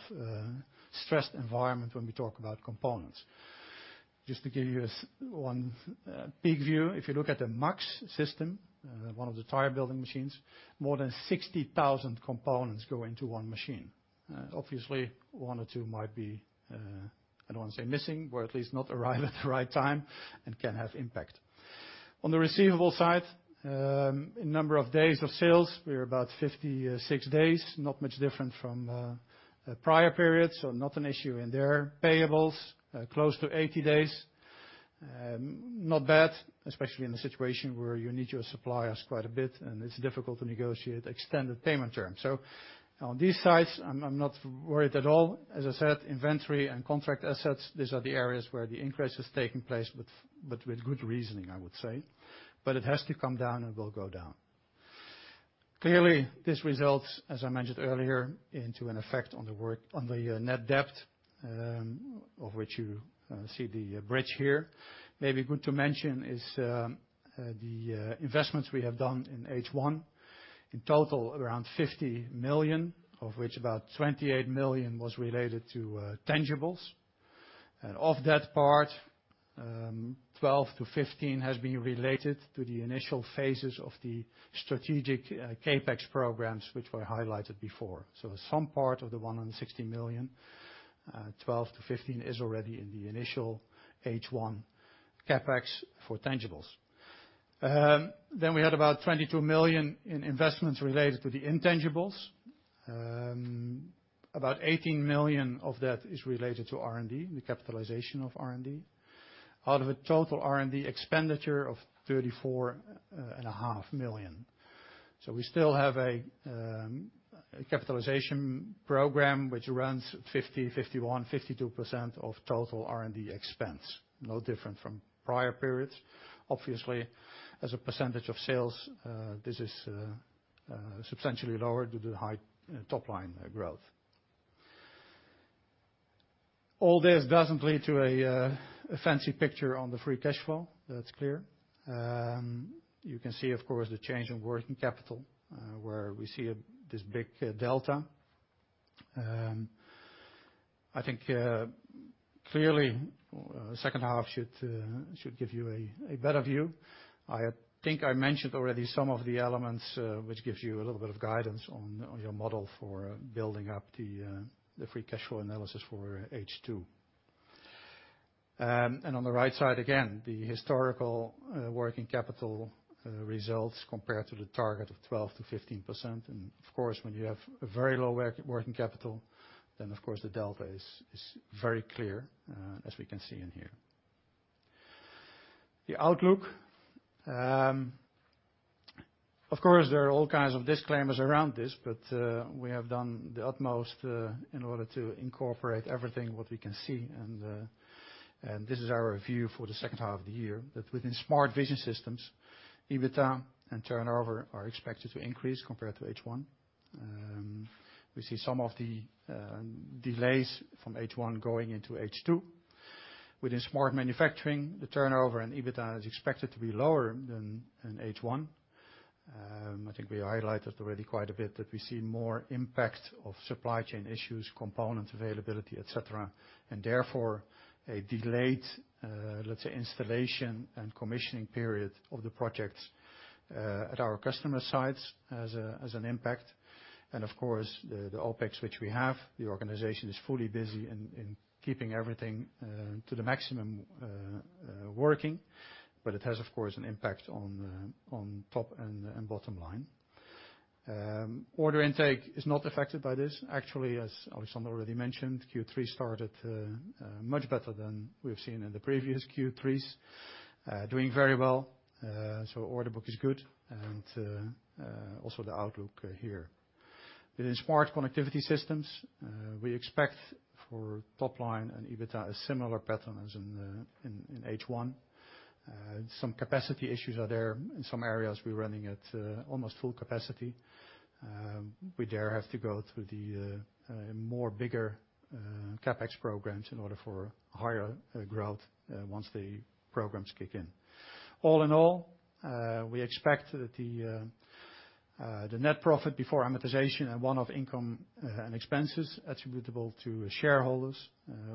stressed environment when we talk about components. Just to give you some big view, if you look at the MAXX system, one of the tire-building machines, more than 60,000 components go into one machine. Obviously, one or two might be, I don't wanna say missing, but at least not arrive at the right time and can have impact. On the receivables side, in number of days of sales, we are about 56 days. Not much different from a prior period, so not an issue in there. Payables, close to 80 days. Not bad, especially in a situation where you need your suppliers quite a bit, and it's difficult to negotiate extended payment terms. On these sides I'm not worried at all. As I said, inventory and Contract Assets, these are the areas where the increase is taking place, but with good reasoning, I would say. It has to come down and will go down. Clearly, this results, as I mentioned earlier, into an effect on the working capital, on the Net Debt, of which you see the bridge here. Maybe good to mention is the investments we have done in H1, in total around 50 million, of which about 28 million was related to tangibles. Of that part, 12-15 has been related to the initial phases of the strategic CapEx programs, which were highlighted before. Some part of the 160 million, 12-15, is already in the initial H1 CapEx for tangibles. We had about 22 million in investments related to the intangibles. About 18 million of that is related to R&D, the capitalization of R&D, out of a total R&D expenditure of 34.5 million. We still have a capitalization program which runs 50%-52% of total R&D expense. No different from prior periods. Obviously, as a percentage of sales, this is substantially lower due to the high top line growth. All this doesn't lead to a fancy picture on the free cash flow, that's clear. You can see, of course, the change in working capital, where we see this big delta. I think clearly, second half should give you a better view. I think I mentioned already some of the elements, which gives you a little bit of guidance on your model for building up the free cash flow analysis for H2. On the right side, again, the historical working capital results compared to the target of 12%-15%. Of course, when you have a very low working capital, then of course the delta is very clear, as we can see in here. The outlook, of course, there are all kinds of disclaimers around this, but we have done the utmost in order to incorporate everything what we can see. This is our view for the second half of the year that within Smart Vision systems, EBITDA and turnover are expected to increase compared to H1. We see some of the delays from H1 going into H2. Within Smart Manufacturing systems, the turnover and EBITDA is expected to be lower than in H1. I think we highlighted already quite a bit that we see more impact of supply chain issues, components availability, et cetera, and therefore a delayed, let's say, installation and commissioning period of the projects, at our customer sites as an impact. Of course, the OpEx which we have, the organization is fully busy in keeping everything to the maximum working, but it has, of course, an impact on the top and bottom line. Order intake is not affected by this. Actually, as Alexander already mentioned, Q3 started much better than we've seen in the previous Q3s, doing very well. Order book is good, and also the outlook here. Within Smart Connectivity Systems, we expect for top line and EBITDA a similar pattern as in H1. Some capacity issues are there. In some areas, we're running at almost full capacity. We have to go through the more bigger CapEx programs in order for higher growth once the programs kick in. All in all, we expect that the net profit before amortization and one-off income and expenses attributable to shareholders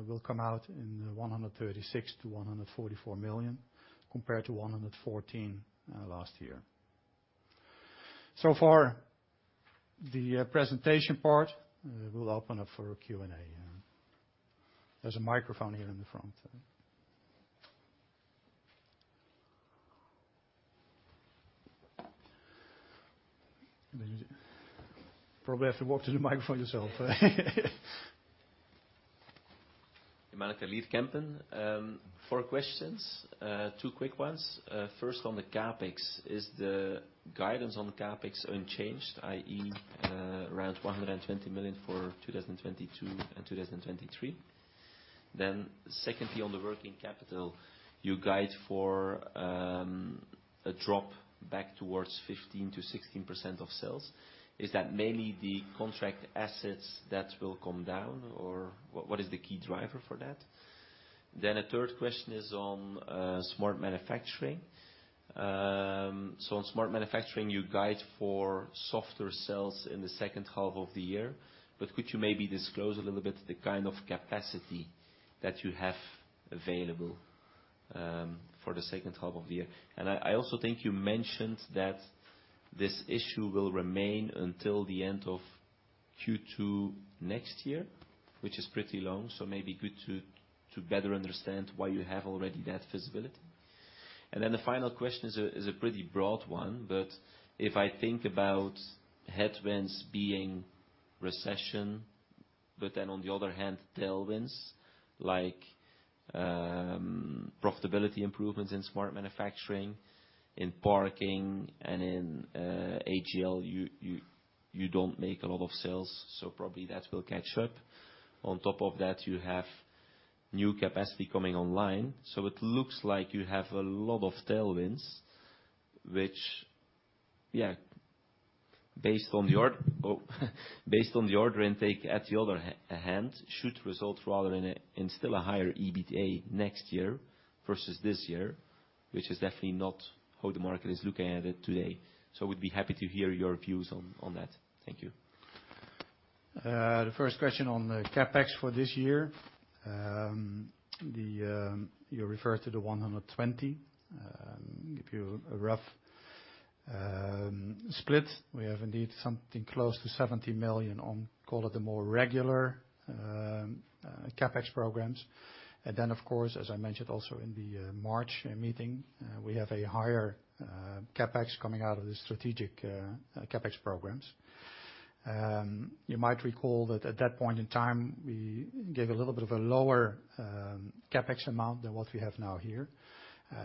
will come out in 136 million-144 million, compared to 114 million last year. For the presentation part, we'll open up for a Q&A. There's a microphone here in the front. You probably have to walk to the microphone yourself. Maarten Verbeek. Four questions, two quick ones. First on the CapEx, is the guidance on the CapEx unchanged, i.e., around 120 million for 2022 and 2023? Secondly, on the working capital, you guide for a drop back towards 15%-16% of sales. Is that mainly the contract assets that will come down, or what is the key driver for that? A third question is on smart manufacturing. So on smart manufacturing, you guide for softer sales in the second half of the year. Could you maybe disclose a little bit the kind of capacity that you have available for the second half of the year? I also think you mentioned that this issue will remain until the end of Q2 next year, which is pretty long. Maybe good to better understand why you have already that visibility. Then the final question is a pretty broad one, but if I think about headwinds being recession, but then on the other hand, tailwinds like profitability improvements in smart manufacturing, in parking and in AGL, you don't make a lot of sales, so probably that will catch up. On top of that, you have new capacity coming online. It looks like you have a lot of tailwinds which based on the order intake at the other hand should result rather in still a higher EBITDA next year versus this year, which is definitely not how the market is looking at it today. We'd be happy to hear your views on that. Thank you. The first question on CapEx for this year. The one you refer to, the 120 million. Give you a rough split. We have indeed something close to 70 million on call it the more regular CapEx programs. Of course, as I mentioned also in the March meeting, we have a higher CapEx coming out of the strategic CapEx programs. You might recall that at that point in time, we gave a little bit of a lower CapEx amount than what we have now here.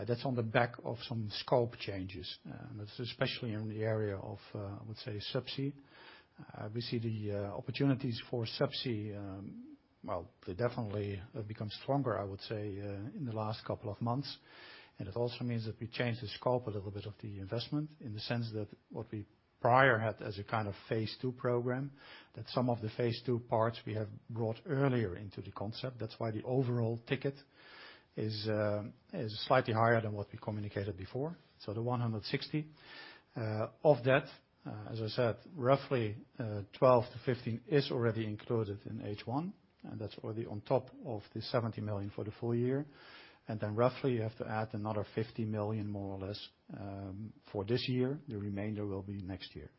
That's on the back of some scope changes, especially in the area of, I would say subsea. We see the opportunities for subsea, well, they definitely have become stronger, I would say, in the last couple of months. It also means that we changed the scope a little bit of the investment in the sense that what we prior had as a kind of phase II program, that some of the phase II parts we have brought earlier into the concept. That's why the overall ticket is slightly higher than what we communicated before, so the 160. Of that, as I said, roughly, 12-15 is already included in H1, and that's already on top of the 70 million for the full year. Then roughly you have to add another 50 million more or less for this year. The remainder will be next year.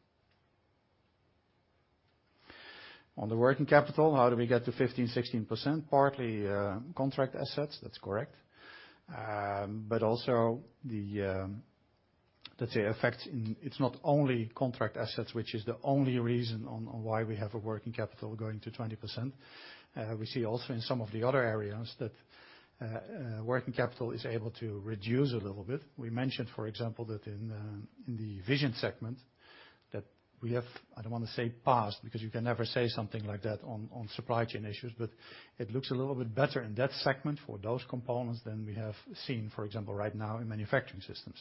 On the working capital, how do we get to 15%-16%? Partly contract assets, that's correct. It's not only contract assets, which is the only reason on why we have a working capital going to 20%. We see also in some of the other areas that working capital is able to reduce a little bit. We mentioned, for example, that in the vision segment that we have, I don't want to say passed, because you can never say something like that on supply chain issues, but it looks a little bit better in that segment for those components than we have seen, for example, right now in manufacturing systems.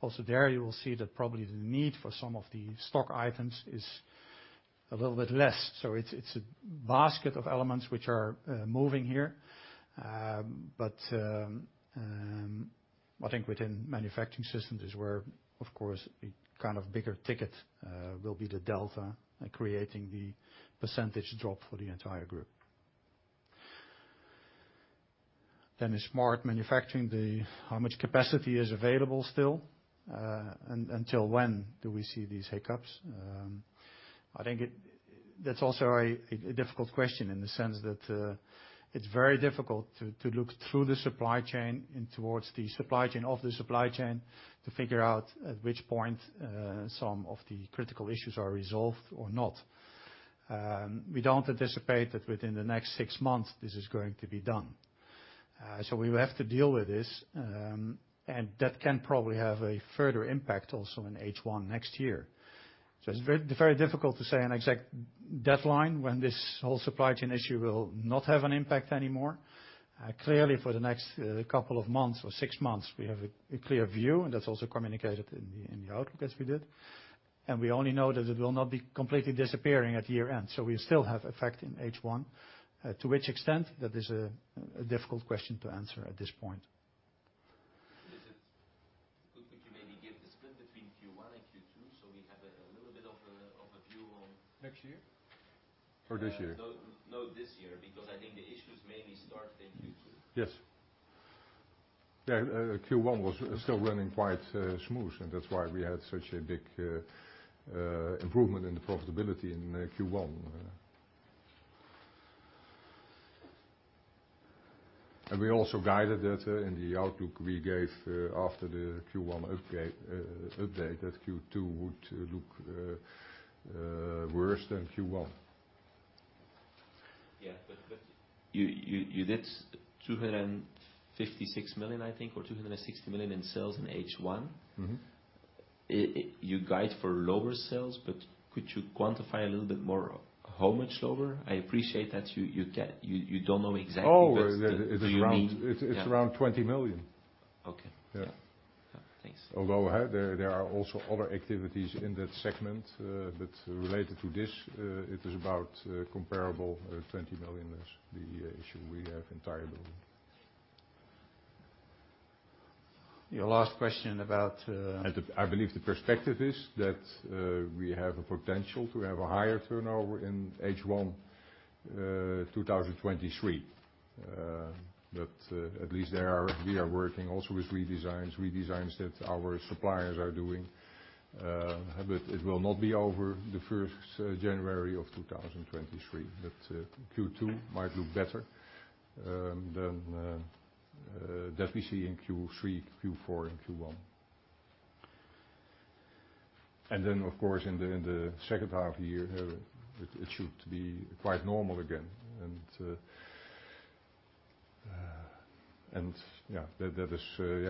Also there you will see that probably the need for some of the stock items is a little bit less. It's a basket of elements which are moving here. I think within Smart Manufacturing systems is where, of course, a kind of bigger ticket will be the delta, creating the percentage drop for the entire group. In Smart Manufacturing, how much capacity is available still until when do we see these hiccups? I think that's also a difficult question in the sense that it's very difficult to look through the supply chain and towards the supply chain of the supply chain to figure out at which point some of the critical issues are resolved or not. We don't anticipate that within the next six months this is going to be done. We will have to deal with this, and that can probably have a further impact also in H1 next year. It's very, very difficult to say an exact deadline when this whole supply chain issue will not have an impact anymore. Clearly, for the next couple of months or six months, we have a clear view, and that's also communicated in the outlook as we did. We only know that it will not be completely disappearing at year-end. We still have effect in H1. To which extent? That is a difficult question to answer at this point. Could you maybe give the split between Q1 and Q2 so we have a little bit of a view on? Next year or this year? No, no, this year, because I think the issues mainly start in Q2. Yes. Yeah. Q1 was still running quite smooth, and that's why we had such a big improvement in the profitability in Q1. We also guided that in the outlook we gave after the Q1 update, that Q2 would look worse than Q1. Yeah, you did 256 million, I think, or 260 million in sales in H1. Mm-hmm. Your guide for lower sales, but could you quantify a little bit more how much lower? I appreciate that you can't, you don't know exactly, but do you need? Oh, it's around. Yeah. It's around 20 million. Okay. Yeah. Although, there are also other activities in that segment, but related to this, it is about comparable 20 million is the issue we have entirely. Your last question about. I believe the perspective is that we have a potential to have a higher turnover in H1 2023. We are working also with redesigns that our suppliers are doing. But it will not be over the first January of 2023. Q2 might look better than that we see in Q3, Q4, and Q1. Then of course in the second half year, it should be quite normal again.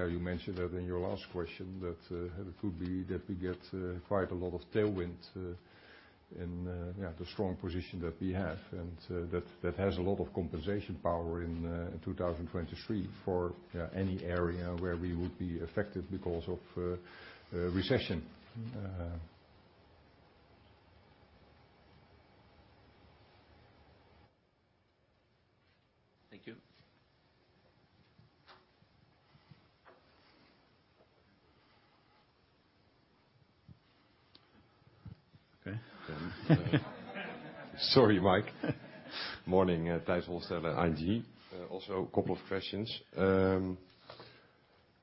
You mentioned that in your last question that it could be that we get quite a lot of tailwind in the strong position that we have and that has a lot of compensation power in 2023 for any area where we would be affected because of recession. Thank you. Okay. Sorry, Michaël. Morning, Tijs Hollestelle, ING. Also a couple of questions. The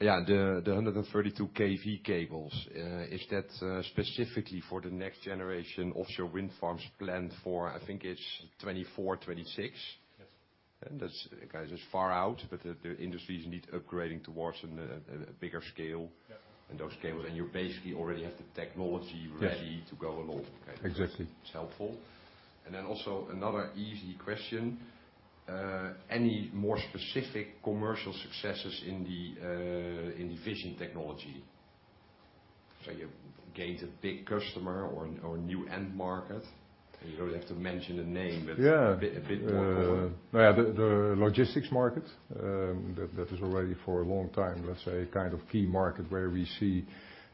132 kV cables, is that specifically for the next generation offshore wind farms planned for I think it's 2024, 2026? Yes. That's, I guess it's far out, but the industries need upgrading towards a bigger scale. Yeah. Those scales, and you basically already have the technology ready. Yes. to go along. Exactly. It's helpful. Also another easy question, any more specific commercial successes in the vision technology? You gained a big customer or a new end market. You don't have to mention a name. Yeah. A bit more color. The logistics market that is already for a long time, let's say, kind of key market where we see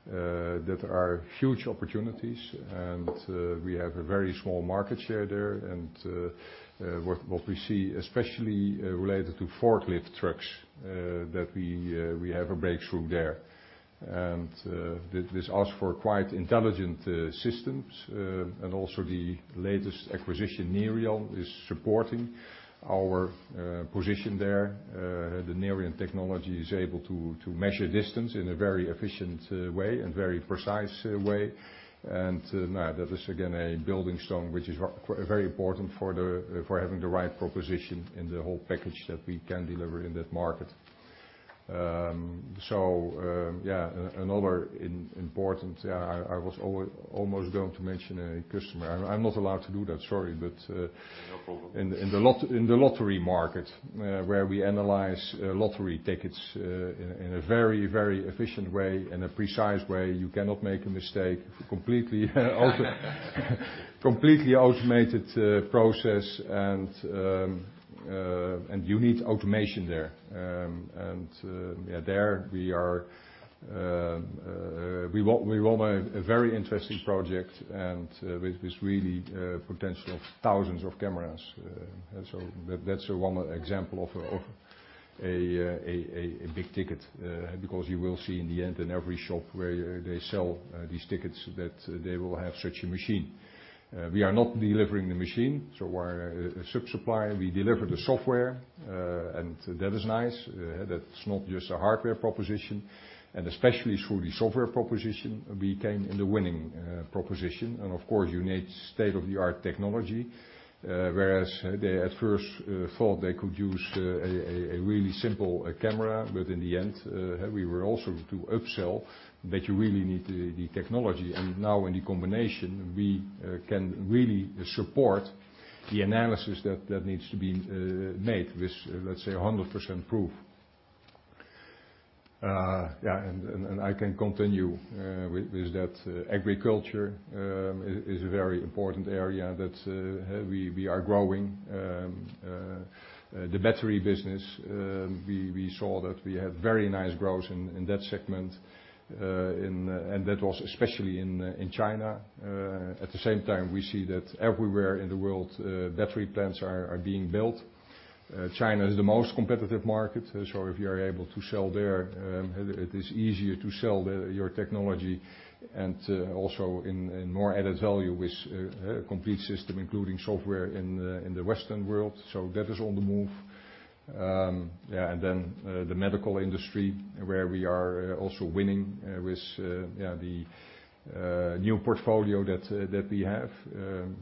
that there are huge opportunities and we have a very small market share there and what we see especially related to forklift trucks that we have a breakthrough there. This asks for quite intelligent systems. Also the latest acquisition, Nerian, is supporting our position there. The Nerian technology is able to measure distance in a very efficient way and very precise way. That is again a building stone, which is very important for having the right proposition in the whole package that we can deliver in that market. Another important, I was almost going to mention a customer. I'm not allowed to do that. Sorry. No problem. In the lottery market, where we analyze lottery tickets in a very, very efficient and precise way, you cannot make a mistake. Completely automated process and you need automation there. Yeah, there we are, we won a very interesting project and with real potential of thousands of cameras. That's one example of a big ticket, because you will see in the end in every shop where they sell these tickets that they will have such a machine. We are not delivering the machine, so we're a sub-supplier. We deliver the software and that is nice. That's not just a hardware proposition. Especially through the software proposition, we came in the winning proposition. Of course you need state-of-the-art technology, whereas they at first thought they could use a really simple camera. In the end, we were also to upsell that you really need the technology. Now in the combination, we can really support the analysis that needs to be made with, let's say, 100% proof. I can continue with that. Agriculture is a very important area that we are growing. The battery business, we saw that we had very nice growth in that segment. That was especially in China. At the same time, we see that everywhere in the world, battery plants are being built. China is the most competitive market, so if you are able to sell there, it is easier to sell your technology and also in more added value with a complete system including software in the Western world. That is on the move. The medical industry where we are also winning with the new portfolio that we have.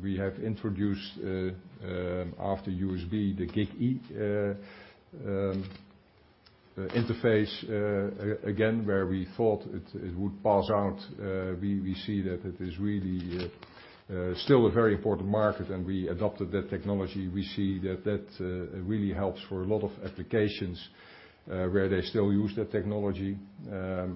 We have introduced, after USB, the GigE interface, again, where we thought it would phase out. We see that it is really still a very important market and we adopted that technology. We see that really helps for a lot of applications where they still use that technology. Yeah,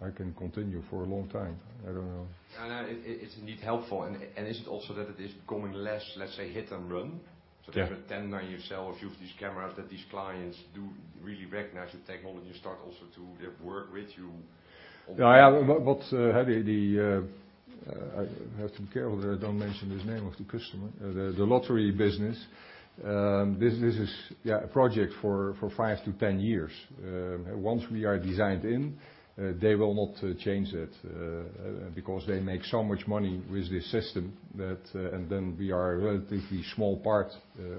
I can continue for a long time. I don't know. No. It's indeed helpful. Is it also that it is becoming less, let's say, hit and run? Yeah. A few of these cameras that these clients do really recognize the technology and start also to work with you on. Yeah. I have to be careful that I don't mention the name of the customer. The lottery business, this is a project for 5-10 years. Once we are designed in, they will not change that, because they make so much money with this system that we are a relatively small part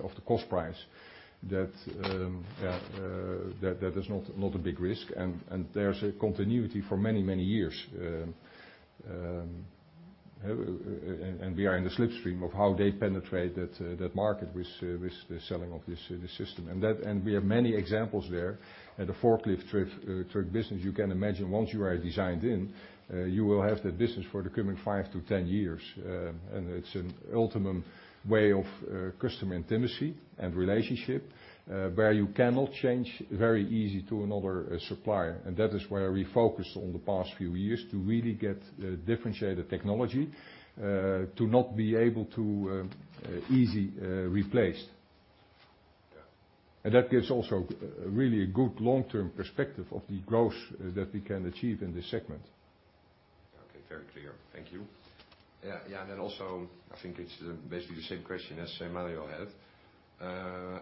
of the cost price that is not a big risk. There's a continuity for many years. We are in the slipstream of how they penetrate that market with the selling of this system. We have many examples there. At the forklift truck business, you can imagine once you are designed in, you will have the business for the coming 5-10 years. It's an ultimate way of customer intimacy and relationship, where you cannot change very easily to another supplier. That is where we focused on the past few years to really get the differentiated technology, to not be able to easily be replaced. Yeah. That gives also, really a good long-term perspective of the growth that we can achieve in this segment. Okay. Very clear. Thank you. Yeah. Yeah. Then also, I think it's basically the same question as Maarten had.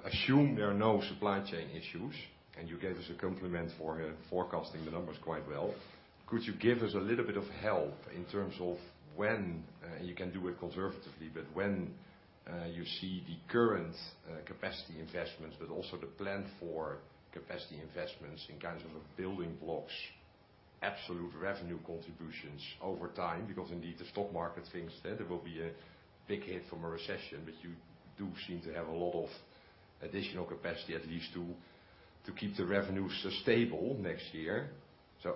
Assume there are no supply chain issues, and you gave us a compliment for forecasting the numbers quite well. Could you give us a little bit of help in terms of when you can do it conservatively, but when you see the current capacity investments, but also the plan for capacity investments in kinds of building blocks, absolute revenue contributions over time? Because indeed, the stock market thinks that it will be a big hit from a recession, but you do seem to have a lot of additional capacity at least to keep the revenue stable next year.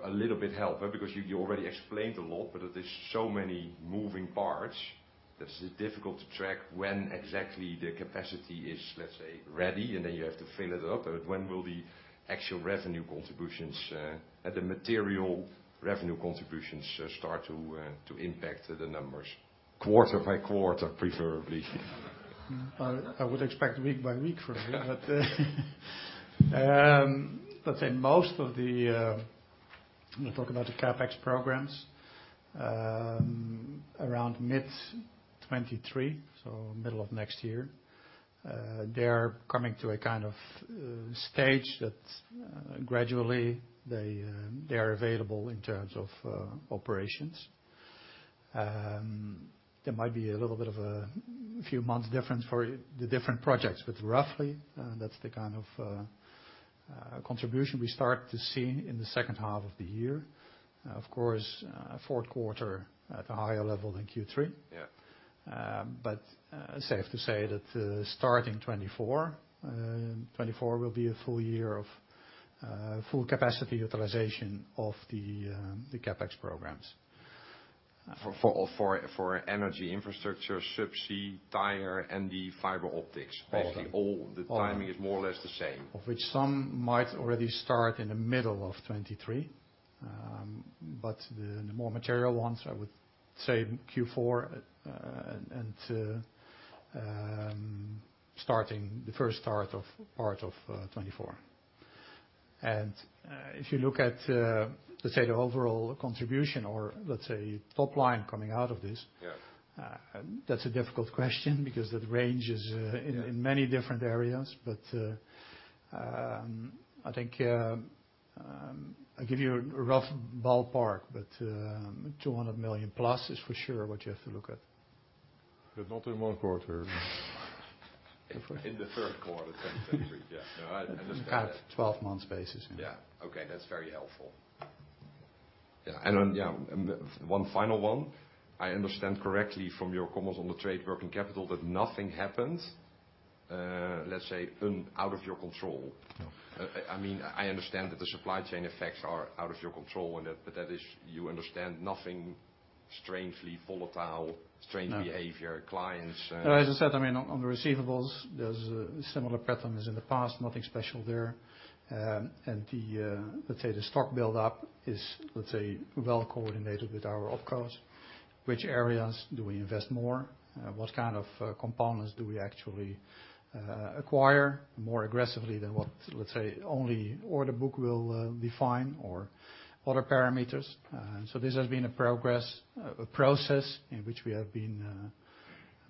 A little bit help, because you already explained a lot, but there's so many moving parts that is difficult to track when exactly the capacity is, let's say, ready, and then you have to fill it up. When will the actual revenue contributions, the material revenue contributions start to impact the numbers? Quarter-by-quarter, preferably. I would expect week by week from you. Let's say most of the we talk about the CapEx programs around mid-2023, so middle of next year, they're coming to a kind of stage that gradually they are available in terms of operations. There might be a little bit of a few months difference for the different projects, but roughly, that's the kind of contribution we start to see in the second half of the year. Of course, fourth quarter at a higher level than Q3. Yeah. Safe to say that starting 2024 will be a full year of full capacity utilization of the CapEx programs. For energy infrastructure, subsea, tire, and the fiber optics. All that. Basically, all the timing is more or less the same. Of which some might already start in the middle of 2023. The more material ones, I would say Q4 and starting part of 2024. If you look at, let's say, the overall contribution or, let's say, top line coming out of this. Yeah. That's a difficult question because the range is Yeah in many different areas. I think I'll give you a rough ballpark, but +200 million is for sure what you have to look at. Not in one quarter. In the third quarter 2023. Yeah. No, I understand. Kind of 12 months basis. Yeah. Okay. That's very helpful. Yeah. Yeah, one final one. I understand correctly from your comments on the trade working capital that nothing happened, let's say, out of your control. No. I mean, I understand that the supply chain effects are out of your control, but that is, you understand nothing strangely volatile. No Strange behavior clients. As I said, I mean, on the receivables, there's a similar pattern as in the past, nothing special there. The stock buildup is, let's say, well coordinated with our OpEx. Which areas do we invest more? What kind of components do we actually acquire more aggressively than what, let's say, only order book will define or other parameters? This has been a process in which we have been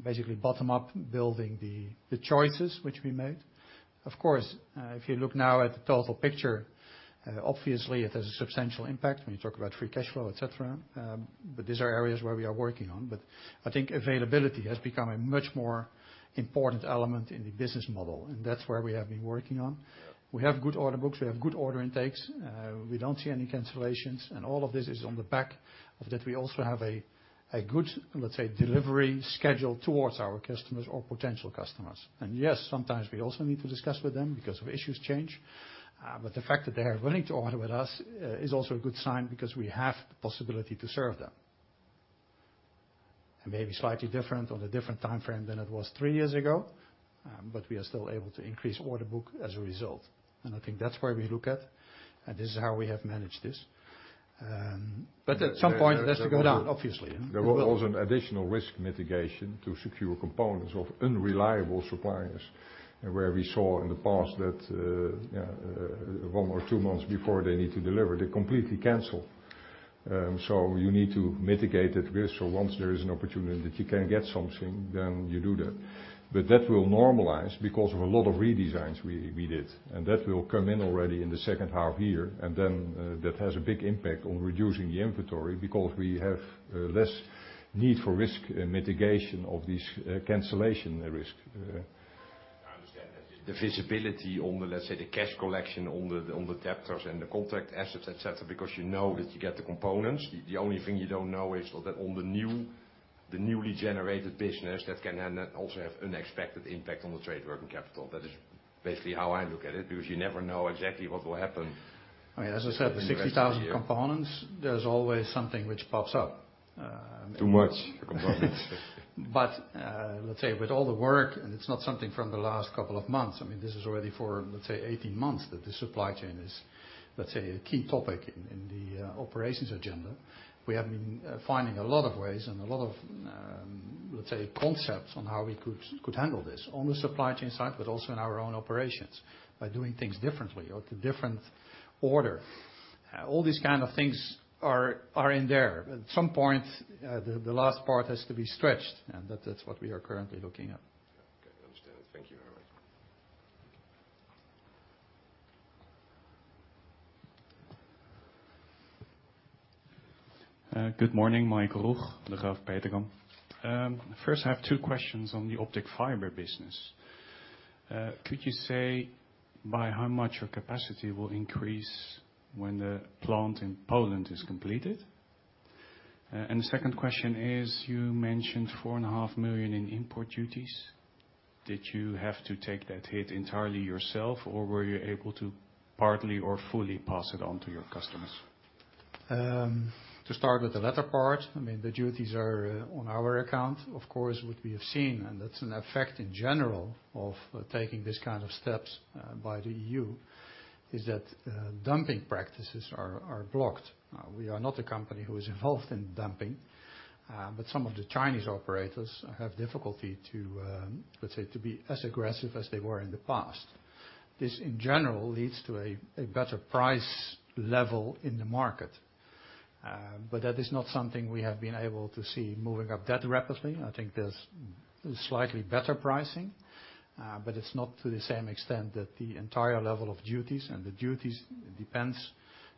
basically bottom-up building the choices which we made. Of course, if you look now at the total picture, obviously it has a substantial impact when you talk about free cash flow, et cetera. These are areas where we are working on. I think availability has become a much more important element in the business model, and that's where we have been working on. Yeah. We have good order books. We have good order intakes. We don't see any cancellations. All of this is on the back of that we also have a good, let's say, delivery schedule toward our customers or potential customers. Yes, sometimes we also need to discuss with them because of issues change. But the fact that they are willing to order with us is also a good sign because we have the possibility to serve them. It may be slightly different on a different timeframe than it was three years ago, but we are still able to increase order book as a result. I think that's where we look at, and this is how we have managed this. At some point it has to go down, obviously. There was an additional risk mitigation to secure components of unreliable suppliers where we saw in the past that, one or two months before they need to deliver, they completely cancel. You need to mitigate that risk. Once there is an opportunity that you can get something, then you do that. That will normalize because of a lot of redesigns we did, and that will come in already in the second half here. That has a big impact on reducing the inventory because we have less need for risk mitigation of these cancellation risk. I understand that. The visibility on the, let's say, the cash collection on the debtors and the contract assets, et cetera, because you know that you get the components. The only thing you don't know is that on the newly generated business that can then also have unexpected impact on the trade working capital. That is basically how I look at it, because you never know exactly what will happen. I mean, as I said. During the rest of the year. with 60,000 components, there's always something which pops up. Too many components. Let's say with all the work, and it's not something from the last couple of months, I mean, this is already for, let's say, 18 months, that the supply chain is, let's say, a key topic in the operations agenda. We have been finding a lot of ways and a lot of, let's say, concepts on how we could handle this on the supply chain side, but also in our own operations by doing things differently or to different order. All these kind of things are in there. At some point, the last part has to be stretched, and that is what we are currently looking at. Okay. I understand. Thank you very much. Thank you. Good morning. Michaël Roeg, Degroof Petercam. First, I have two questions on the optic fiber business. Could you say by how much your capacity will increase when the plant in Poland is completed? The second question is, you mentioned 4.5 million in import duties. Did you have to take that hit entirely yourself, or were you able to partly or fully pass it on to your customers? To start with the latter part, I mean, the duties are on our account. Of course, what we have seen, and that's an effect in general of taking these kind of steps by the EU, is that dumping practices are blocked. We are not a company who is involved in dumping, but some of the Chinese operators have difficulty to, let's say, to be as aggressive as they were in the past. This, in general, leads to a better price level in the market. But that is not something we have been able to see moving up that rapidly. I think there's slightly better pricing, but it's not to the same extent that the entire level of duties. The duties depends.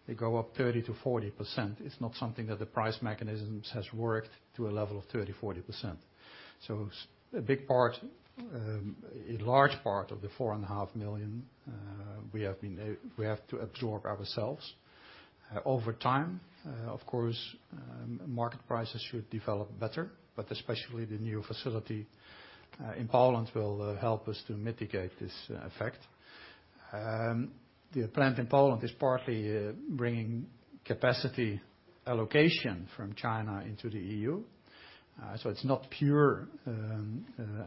They go up 30%-40%. It's not something that the price mechanisms has worked to a level of 30%-40%. A big part, a large part of the 4.5 million, we have to absorb ourselves. Over time, of course, market prices should develop better, but especially the new facility in Poland will help us to mitigate this effect. The plant in Poland is partly bringing capacity allocation from China into the EU. It's not pure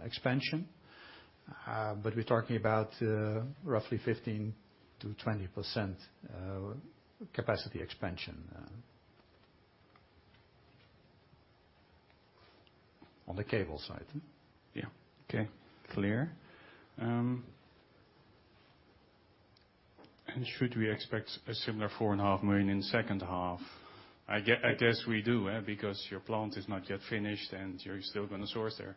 expansion, but we're talking about roughly 15%-20% capacity expansion on the cable side. Yeah. Okay. Clear. Should we expect a similar 4.5 million in second half? I guess we do, huh? Because your plant is not yet finished and you're still gonna source there.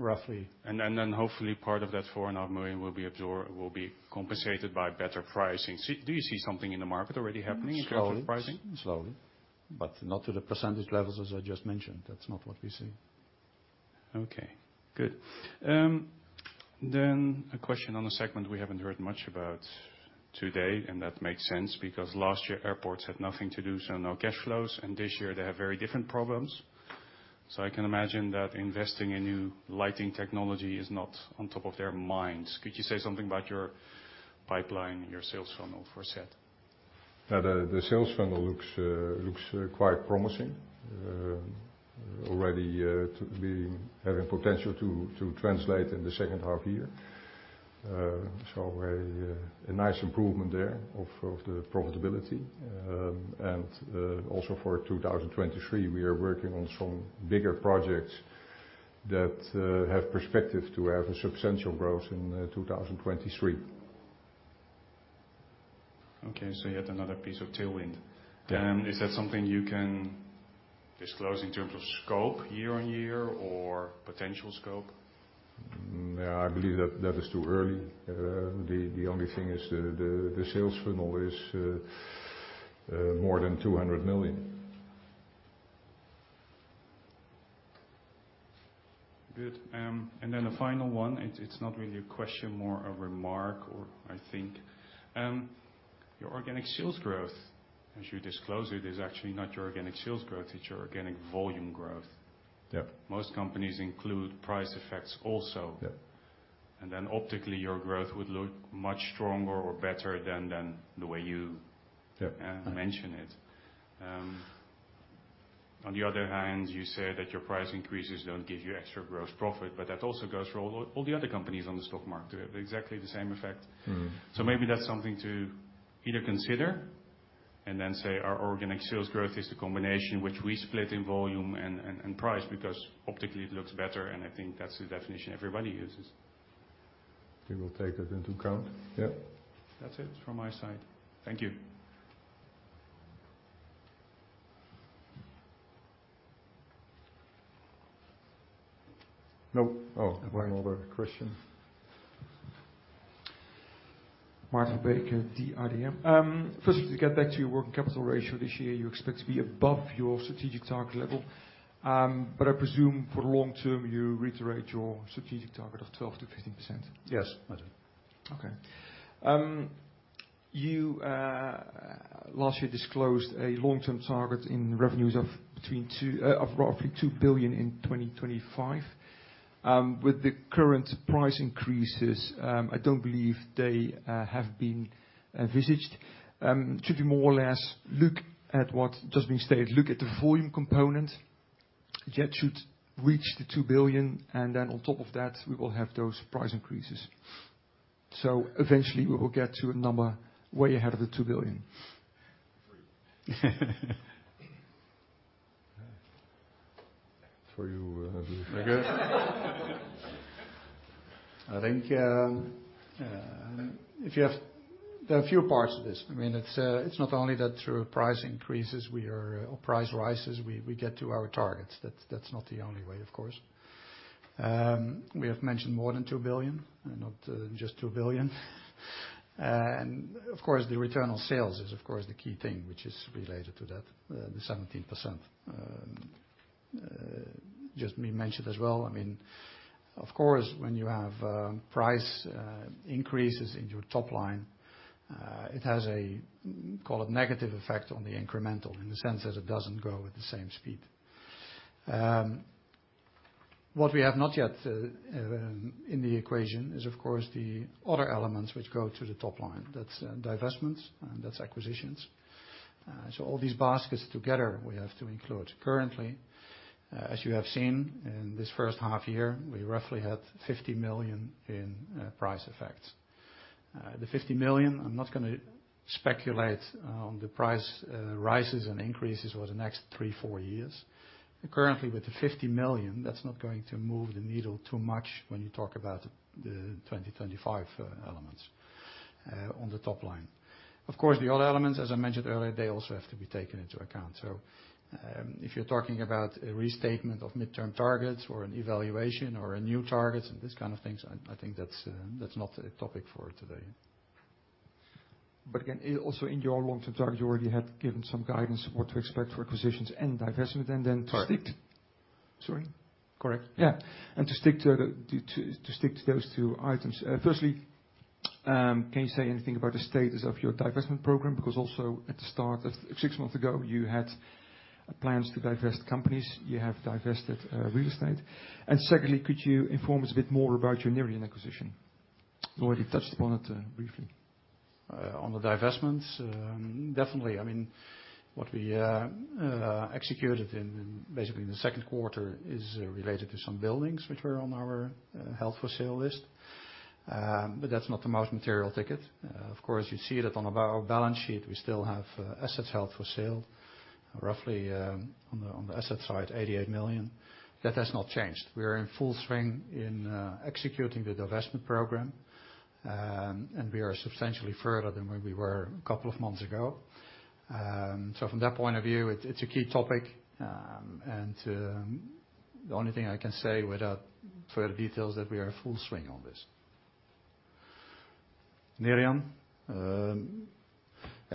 Roughly. Hopefully part of that 4.5 million will be absorbed, will be compensated by better pricing. See, do you see something in the market already happening? Slowly. in terms of pricing? Slowly. Not to the percentage levels as I just mentioned. That's not what we see. Okay. Good. A question on a segment we haven't heard much about today, and that makes sense because last year airports had nothing to do, so no cash flows, and this year they have very different problems. I can imagine that investing in new lighting technology is not on top of their minds. Could you say something about your pipeline, your sales funnel for CEDD? The sales funnel looks quite promising. Already having potential to translate in the second half year. A nice improvement there of the profitability. Also for 2023, we are working on some bigger projects that have perspective to have a substantial growth in 2023. Okay. Yet another piece of tailwind. Yeah. Is that something you can disclose in terms of scope year-on-year or potential scope? No, I believe that that is too early. The only thing is the sales funnel is more than EUR 200 million. Good. A final one. It's not really a question, more a remark or I think. Your organic sales growth, as you disclose it, is actually not your organic sales growth, it's your organic volume growth. Yeah. Most companies include price effects also. Yeah. Optically, your growth would look much stronger or better than the way you- Yeah mention it. On the other hand, you said that your price increases don't give you extra gross profit, but that also goes for all the other companies on the stock market. They have exactly the same effect. Mm-hmm. Maybe that's something to either consider and then say our organic sales growth is the combination which we split in volume and price, because optically it looks better, and I think that's the definition everybody uses. We will take that into account. Yeah. That's it from my side. Thank you. No. Oh, one other question. Firstly, to get back to your working capital ratio this year, you expect to be above your strategic target level. I presume for long term, you reiterate your strategic target of 12%-15%. Yes, I do. Okay. You last year disclosed a long-term target in revenues of roughly 2 billion in 2025. With the current price increases, I don't believe they have been envisaged. Should we more or less look at what just been stated, look at the volume component that should reach the 2 billion, and then on top of that, we will have those price increases. Eventually we will get to a number way ahead of the EUR 2 billion. For you, Louis. I guess. There are a few parts of this. I mean, it's not only that through price increases or price rises, we get to our targets. That's not the only way, of course. We have mentioned more than 2 billion and not just 2 billion. And of course, the return on sales is, of course, the key thing which is related to that, the 17% just being mentioned as well. I mean, of course, when you have price increases in your top line, it has a, call it negative effect on the incremental in the sense that it doesn't grow at the same speed. What we have not yet in the equation is, of course, the other elements which go to the top line. That's divestments and that's acquisitions. So all these baskets together, we have to include. Currently, as you have seen in this first half year, we roughly had 50 million in price effects. The 50 million, I'm not gonna speculate on the price rises and increases over the next three, four years. Currently, with the 50 million, that's not going to move the needle too much when you talk about the 2025 elements on the top line. Of course, the other elements, as I mentioned earlier, they also have to be taken into account. If you're talking about a restatement of midterm targets or an evaluation or a new targets and these kind of things, I think that's not a topic for today. Again, also in your long-term target, you already had given some guidance on what to expect for acquisitions and divestment, and then to stick. Sorry. Sorry? Correct. Yeah. To stick to those two items. Firstly, can you say anything about the status of your divestment program? Because also at the start of six months ago, you had plans to divest companies. You have divested real estate. Secondly, could you inform us a bit more about your Nerian acquisition? You already touched upon it briefly. On the divestments, definitely. I mean, what we executed in basically the second quarter is related to some buildings which were on our held-for-sale list. That's not the most material ticket. Of course, you see that on our balance sheet, we still have assets held for sale, roughly EUR 88 million on the asset side. That has not changed. We are in full swing in executing the divestment program. We are substantially further than where we were a couple of months ago. From that point of view, it's a key topic. The only thing I can say without further details is that we are in full swing on this. Nerian. Yeah,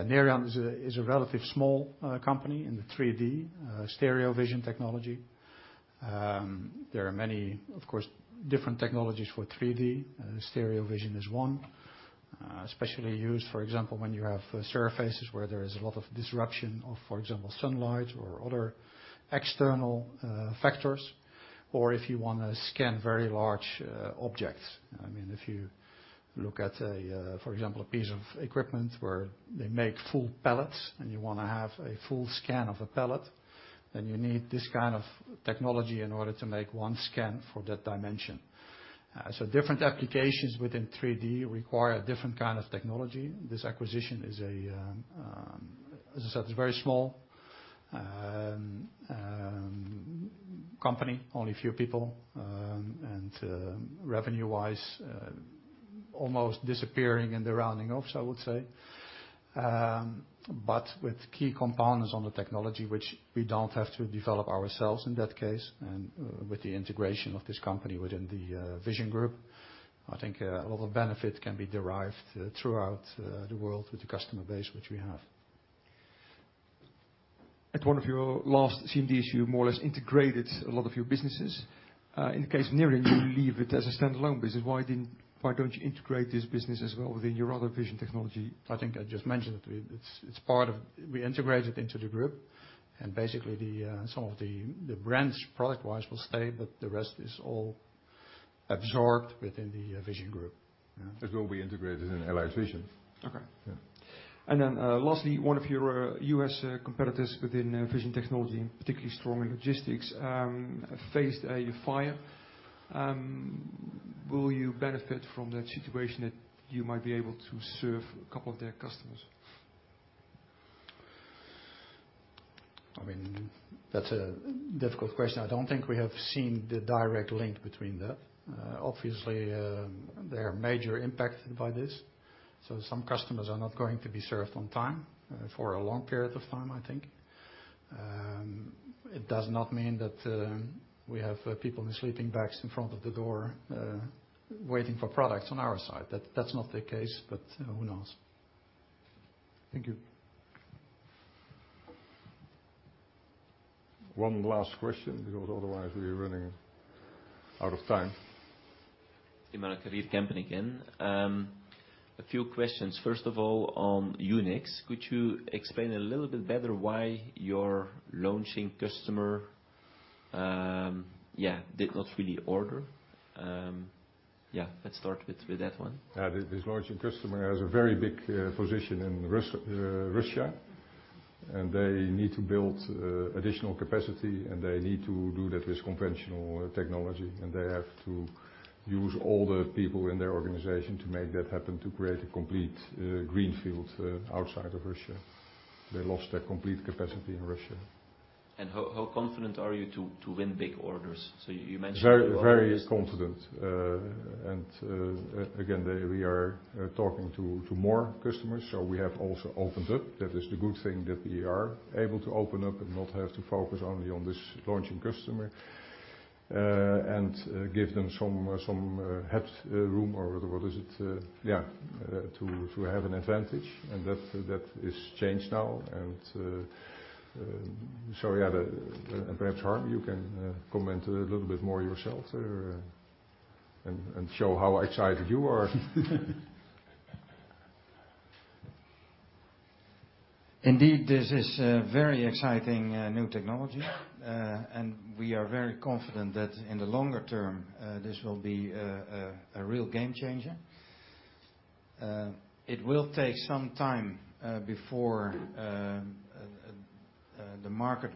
Nerian is a relatively small company in the 3D stereo vision technology. There are many, of course, different technologies for 3D. Stereo vision is one, especially used, for example, when you have surfaces where there is a lot of disruption of, for example, sunlight or other external factors, or if you wanna scan very large objects. I mean, if you look at, for example, a piece of equipment where they make full pallets and you wanna have a full scan of a pallet, then you need this kind of technology in order to make one scan for that dimension. Different applications within 3D require a different kind of technology. This acquisition is, as I said, a very small company, only a few people. Revenue-wise, almost disappearing in the rounding off, so I would say. With key components on the technology which we don't have to develop ourselves in that case, and with the integration of this company within the Vision Group, I think a lot of benefit can be derived throughout the world with the customer base which we have. At one of your last CMDs, you more or less integrated a lot of your businesses. In the case of Nerian, you leave it as a standalone business. Why don't you integrate this business as well within your other Vision technology? I think I just mentioned it. We integrate it into the group, and basically some of the brands product-wise will stay, but the rest is all absorbed within the Vision Group. Yeah. It will be integrated in Allied Vision. Okay. Yeah. Lastly, one of your U.S. competitors within vision technology, and particularly strong in logistics, faced a fire. Will you benefit from that situation that you might be able to serve a couple of their customers? I mean, that's a difficult question. I don't think we have seen the direct link between that. Obviously, they are majorly impacted by this, so some customers are not going to be served on time for a long period of time, I think. It does not mean that we have people in sleeping bags in front of the door waiting for products on our side. That's not the case, but who knows? Thank you. One last question because otherwise we're running out of time. Again. A few questions. First of all, on UNIXX, could you explain a little bit better why your launch customer did not really order? Let's start with that one. Yeah. This launching customer has a very big position in Russia, and they need to build additional capacity, and they need to do that with conventional technology, and they have to use all the people in their organization to make that happen, to create a complete greenfield outside of Russia. They lost their complete capacity in Russia. How confident are you to win big orders? You mentioned. Very, very confident. Again, we are talking to more customers. We have also opened up. That is the good thing, that we are able to open up and not have to focus only on this launching customer, and give them some headroom or what is it? Yeah, to have an advantage, and that is changed now. Yeah, perhaps, Harm, you can comment a little bit more yourself, and show how excited you are. Indeed, this is a very exciting new technology, and we are very confident that in the longer term, this will be a real game changer. It will take some time before the market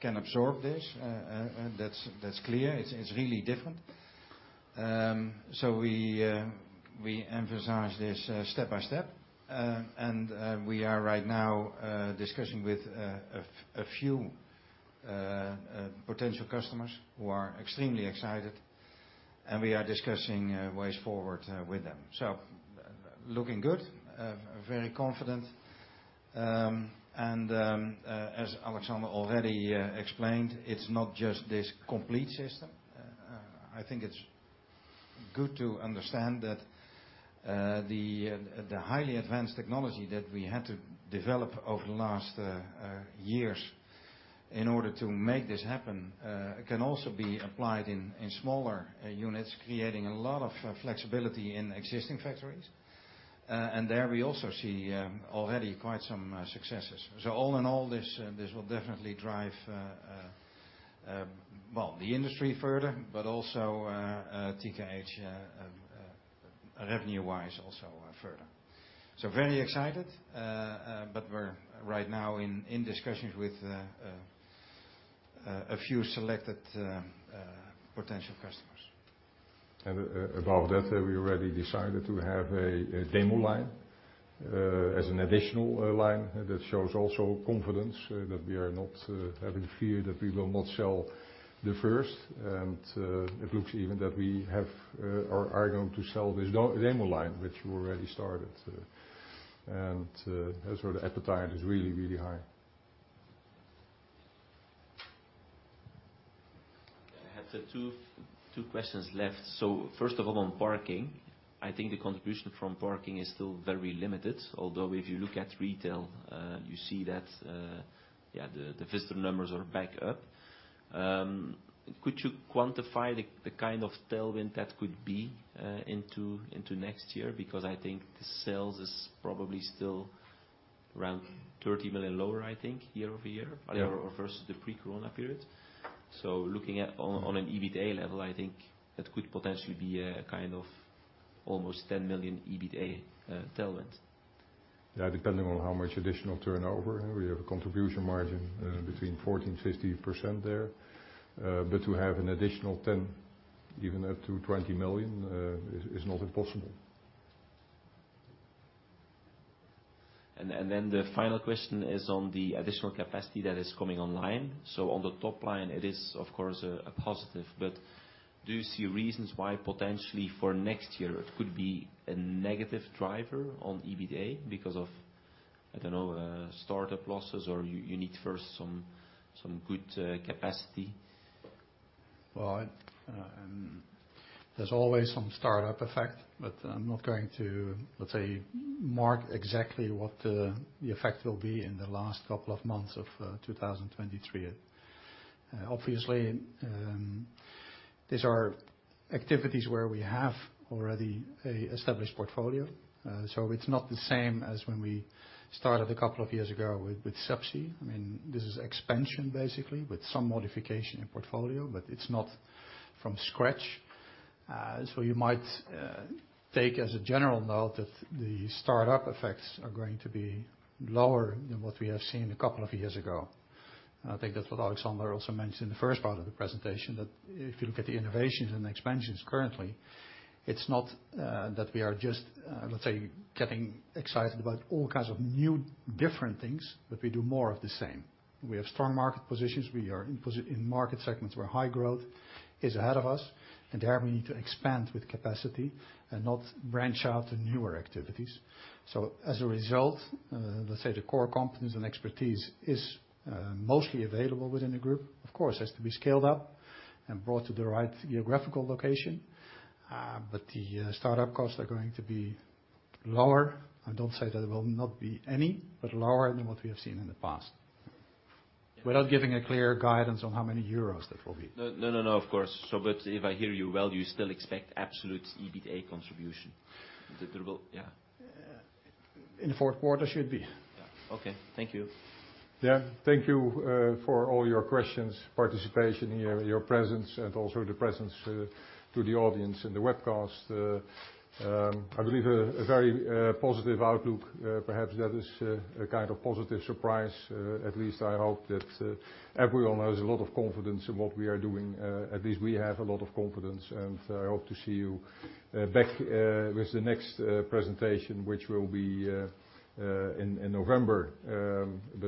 can absorb this. That's clear. It's really different. We emphasize this step by step. We are right now discussing with a few potential customers who are extremely excited, and we are discussing ways forward with them. Looking good, very confident. As Alexander already explained, it's not just this complete system. I think it's good to understand that the highly advanced technology that we had to develop over the last years in order to make this happen can also be applied in smaller units, creating a lot of flexibility in existing factories. There we also see already quite some successes. All in all, this will definitely drive well the industry further, but also TKH revenue-wise also further. Very excited. We're right now in discussions with a few selected potential customers. Above that, we already decided to have a demo line as an additional line. That shows also confidence that we are not having fear that we will not sell the first. It looks even that we are going to sell this demo line, which we already started. The appetite is really, really high. I have two questions left. First of all, on parking. I think the contribution from parking is still very limited. Although if you look at retail, you see that the visitor numbers are back up. Could you quantify the kind of tailwind that could be into next year? Because I think sales is probably still around 30 million lower, I think, year-over-year. Yeah. ...or versus the pre-COVID period. Looking at on an EBITDA level, I think that could potentially be a kind of almost 10 million EBITDA tailwind. Yeah, depending on how much additional turnover. We have a contribution margin between 14%-50% there. To have an additional 10 million, even up to 20 million, is not impossible. The final question is on the additional capacity that is coming online. On the top line it is of course a positive, but do you see reasons why potentially for next year it could be a negative driver on EBITDA because of, I don't know, startup losses or you need first some good capacity? Well, there's always some startup effect, but I'm not going to, let's say, mark exactly what the effect will be in the last couple of months of 2023. Obviously, these are activities where we have already a established portfolio. It's not the same as when we started a couple of years ago with subsea. I mean, this is expansion basically with some modification in portfolio, but it's not from scratch. You might take as a general note that the startup effects are going to be lower than what we have seen a couple of years ago. I think that's what Alexander also mentioned in the first part of the presentation, that if you look at the innovations and expansions currently, it's not that we are just, let's say, getting excited about all kinds of new different things, but we do more of the same. We have strong market positions. We are in market segments where high growth is ahead of us, and there we need to expand with capacity and not branch out to newer activities. As a result, let's say the core competence and expertise is mostly available within the group. Of course, it has to be scaled up and brought to the right geographical location. The startup costs are going to be lower. I don't say that there will not be any, but lower than what we have seen in the past. Without giving a clear guidance on how many euros that will be. No, no, of course. If I hear you well, you still expect absolute EBITDA contribution? That there will. Yeah. In the fourth quarter should be. Yeah. Okay. Thank you. Yeah. Thank you for all your questions, participation here, your presence, and also the presence to the audience in the webcast. I believe a very positive outlook. Perhaps that is a kind of positive surprise. At least I hope that everyone has a lot of confidence in what we are doing. At least we have a lot of confidence. I hope to see you back with the next presentation, which will be in November.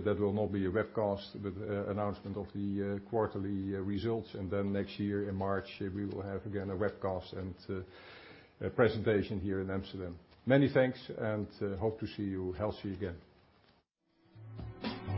That will not be a webcast with announcement of the quarterly results. Next year in March, we will have again a webcast and a presentation here in Amsterdam. Many thanks, and hope to see you healthy again.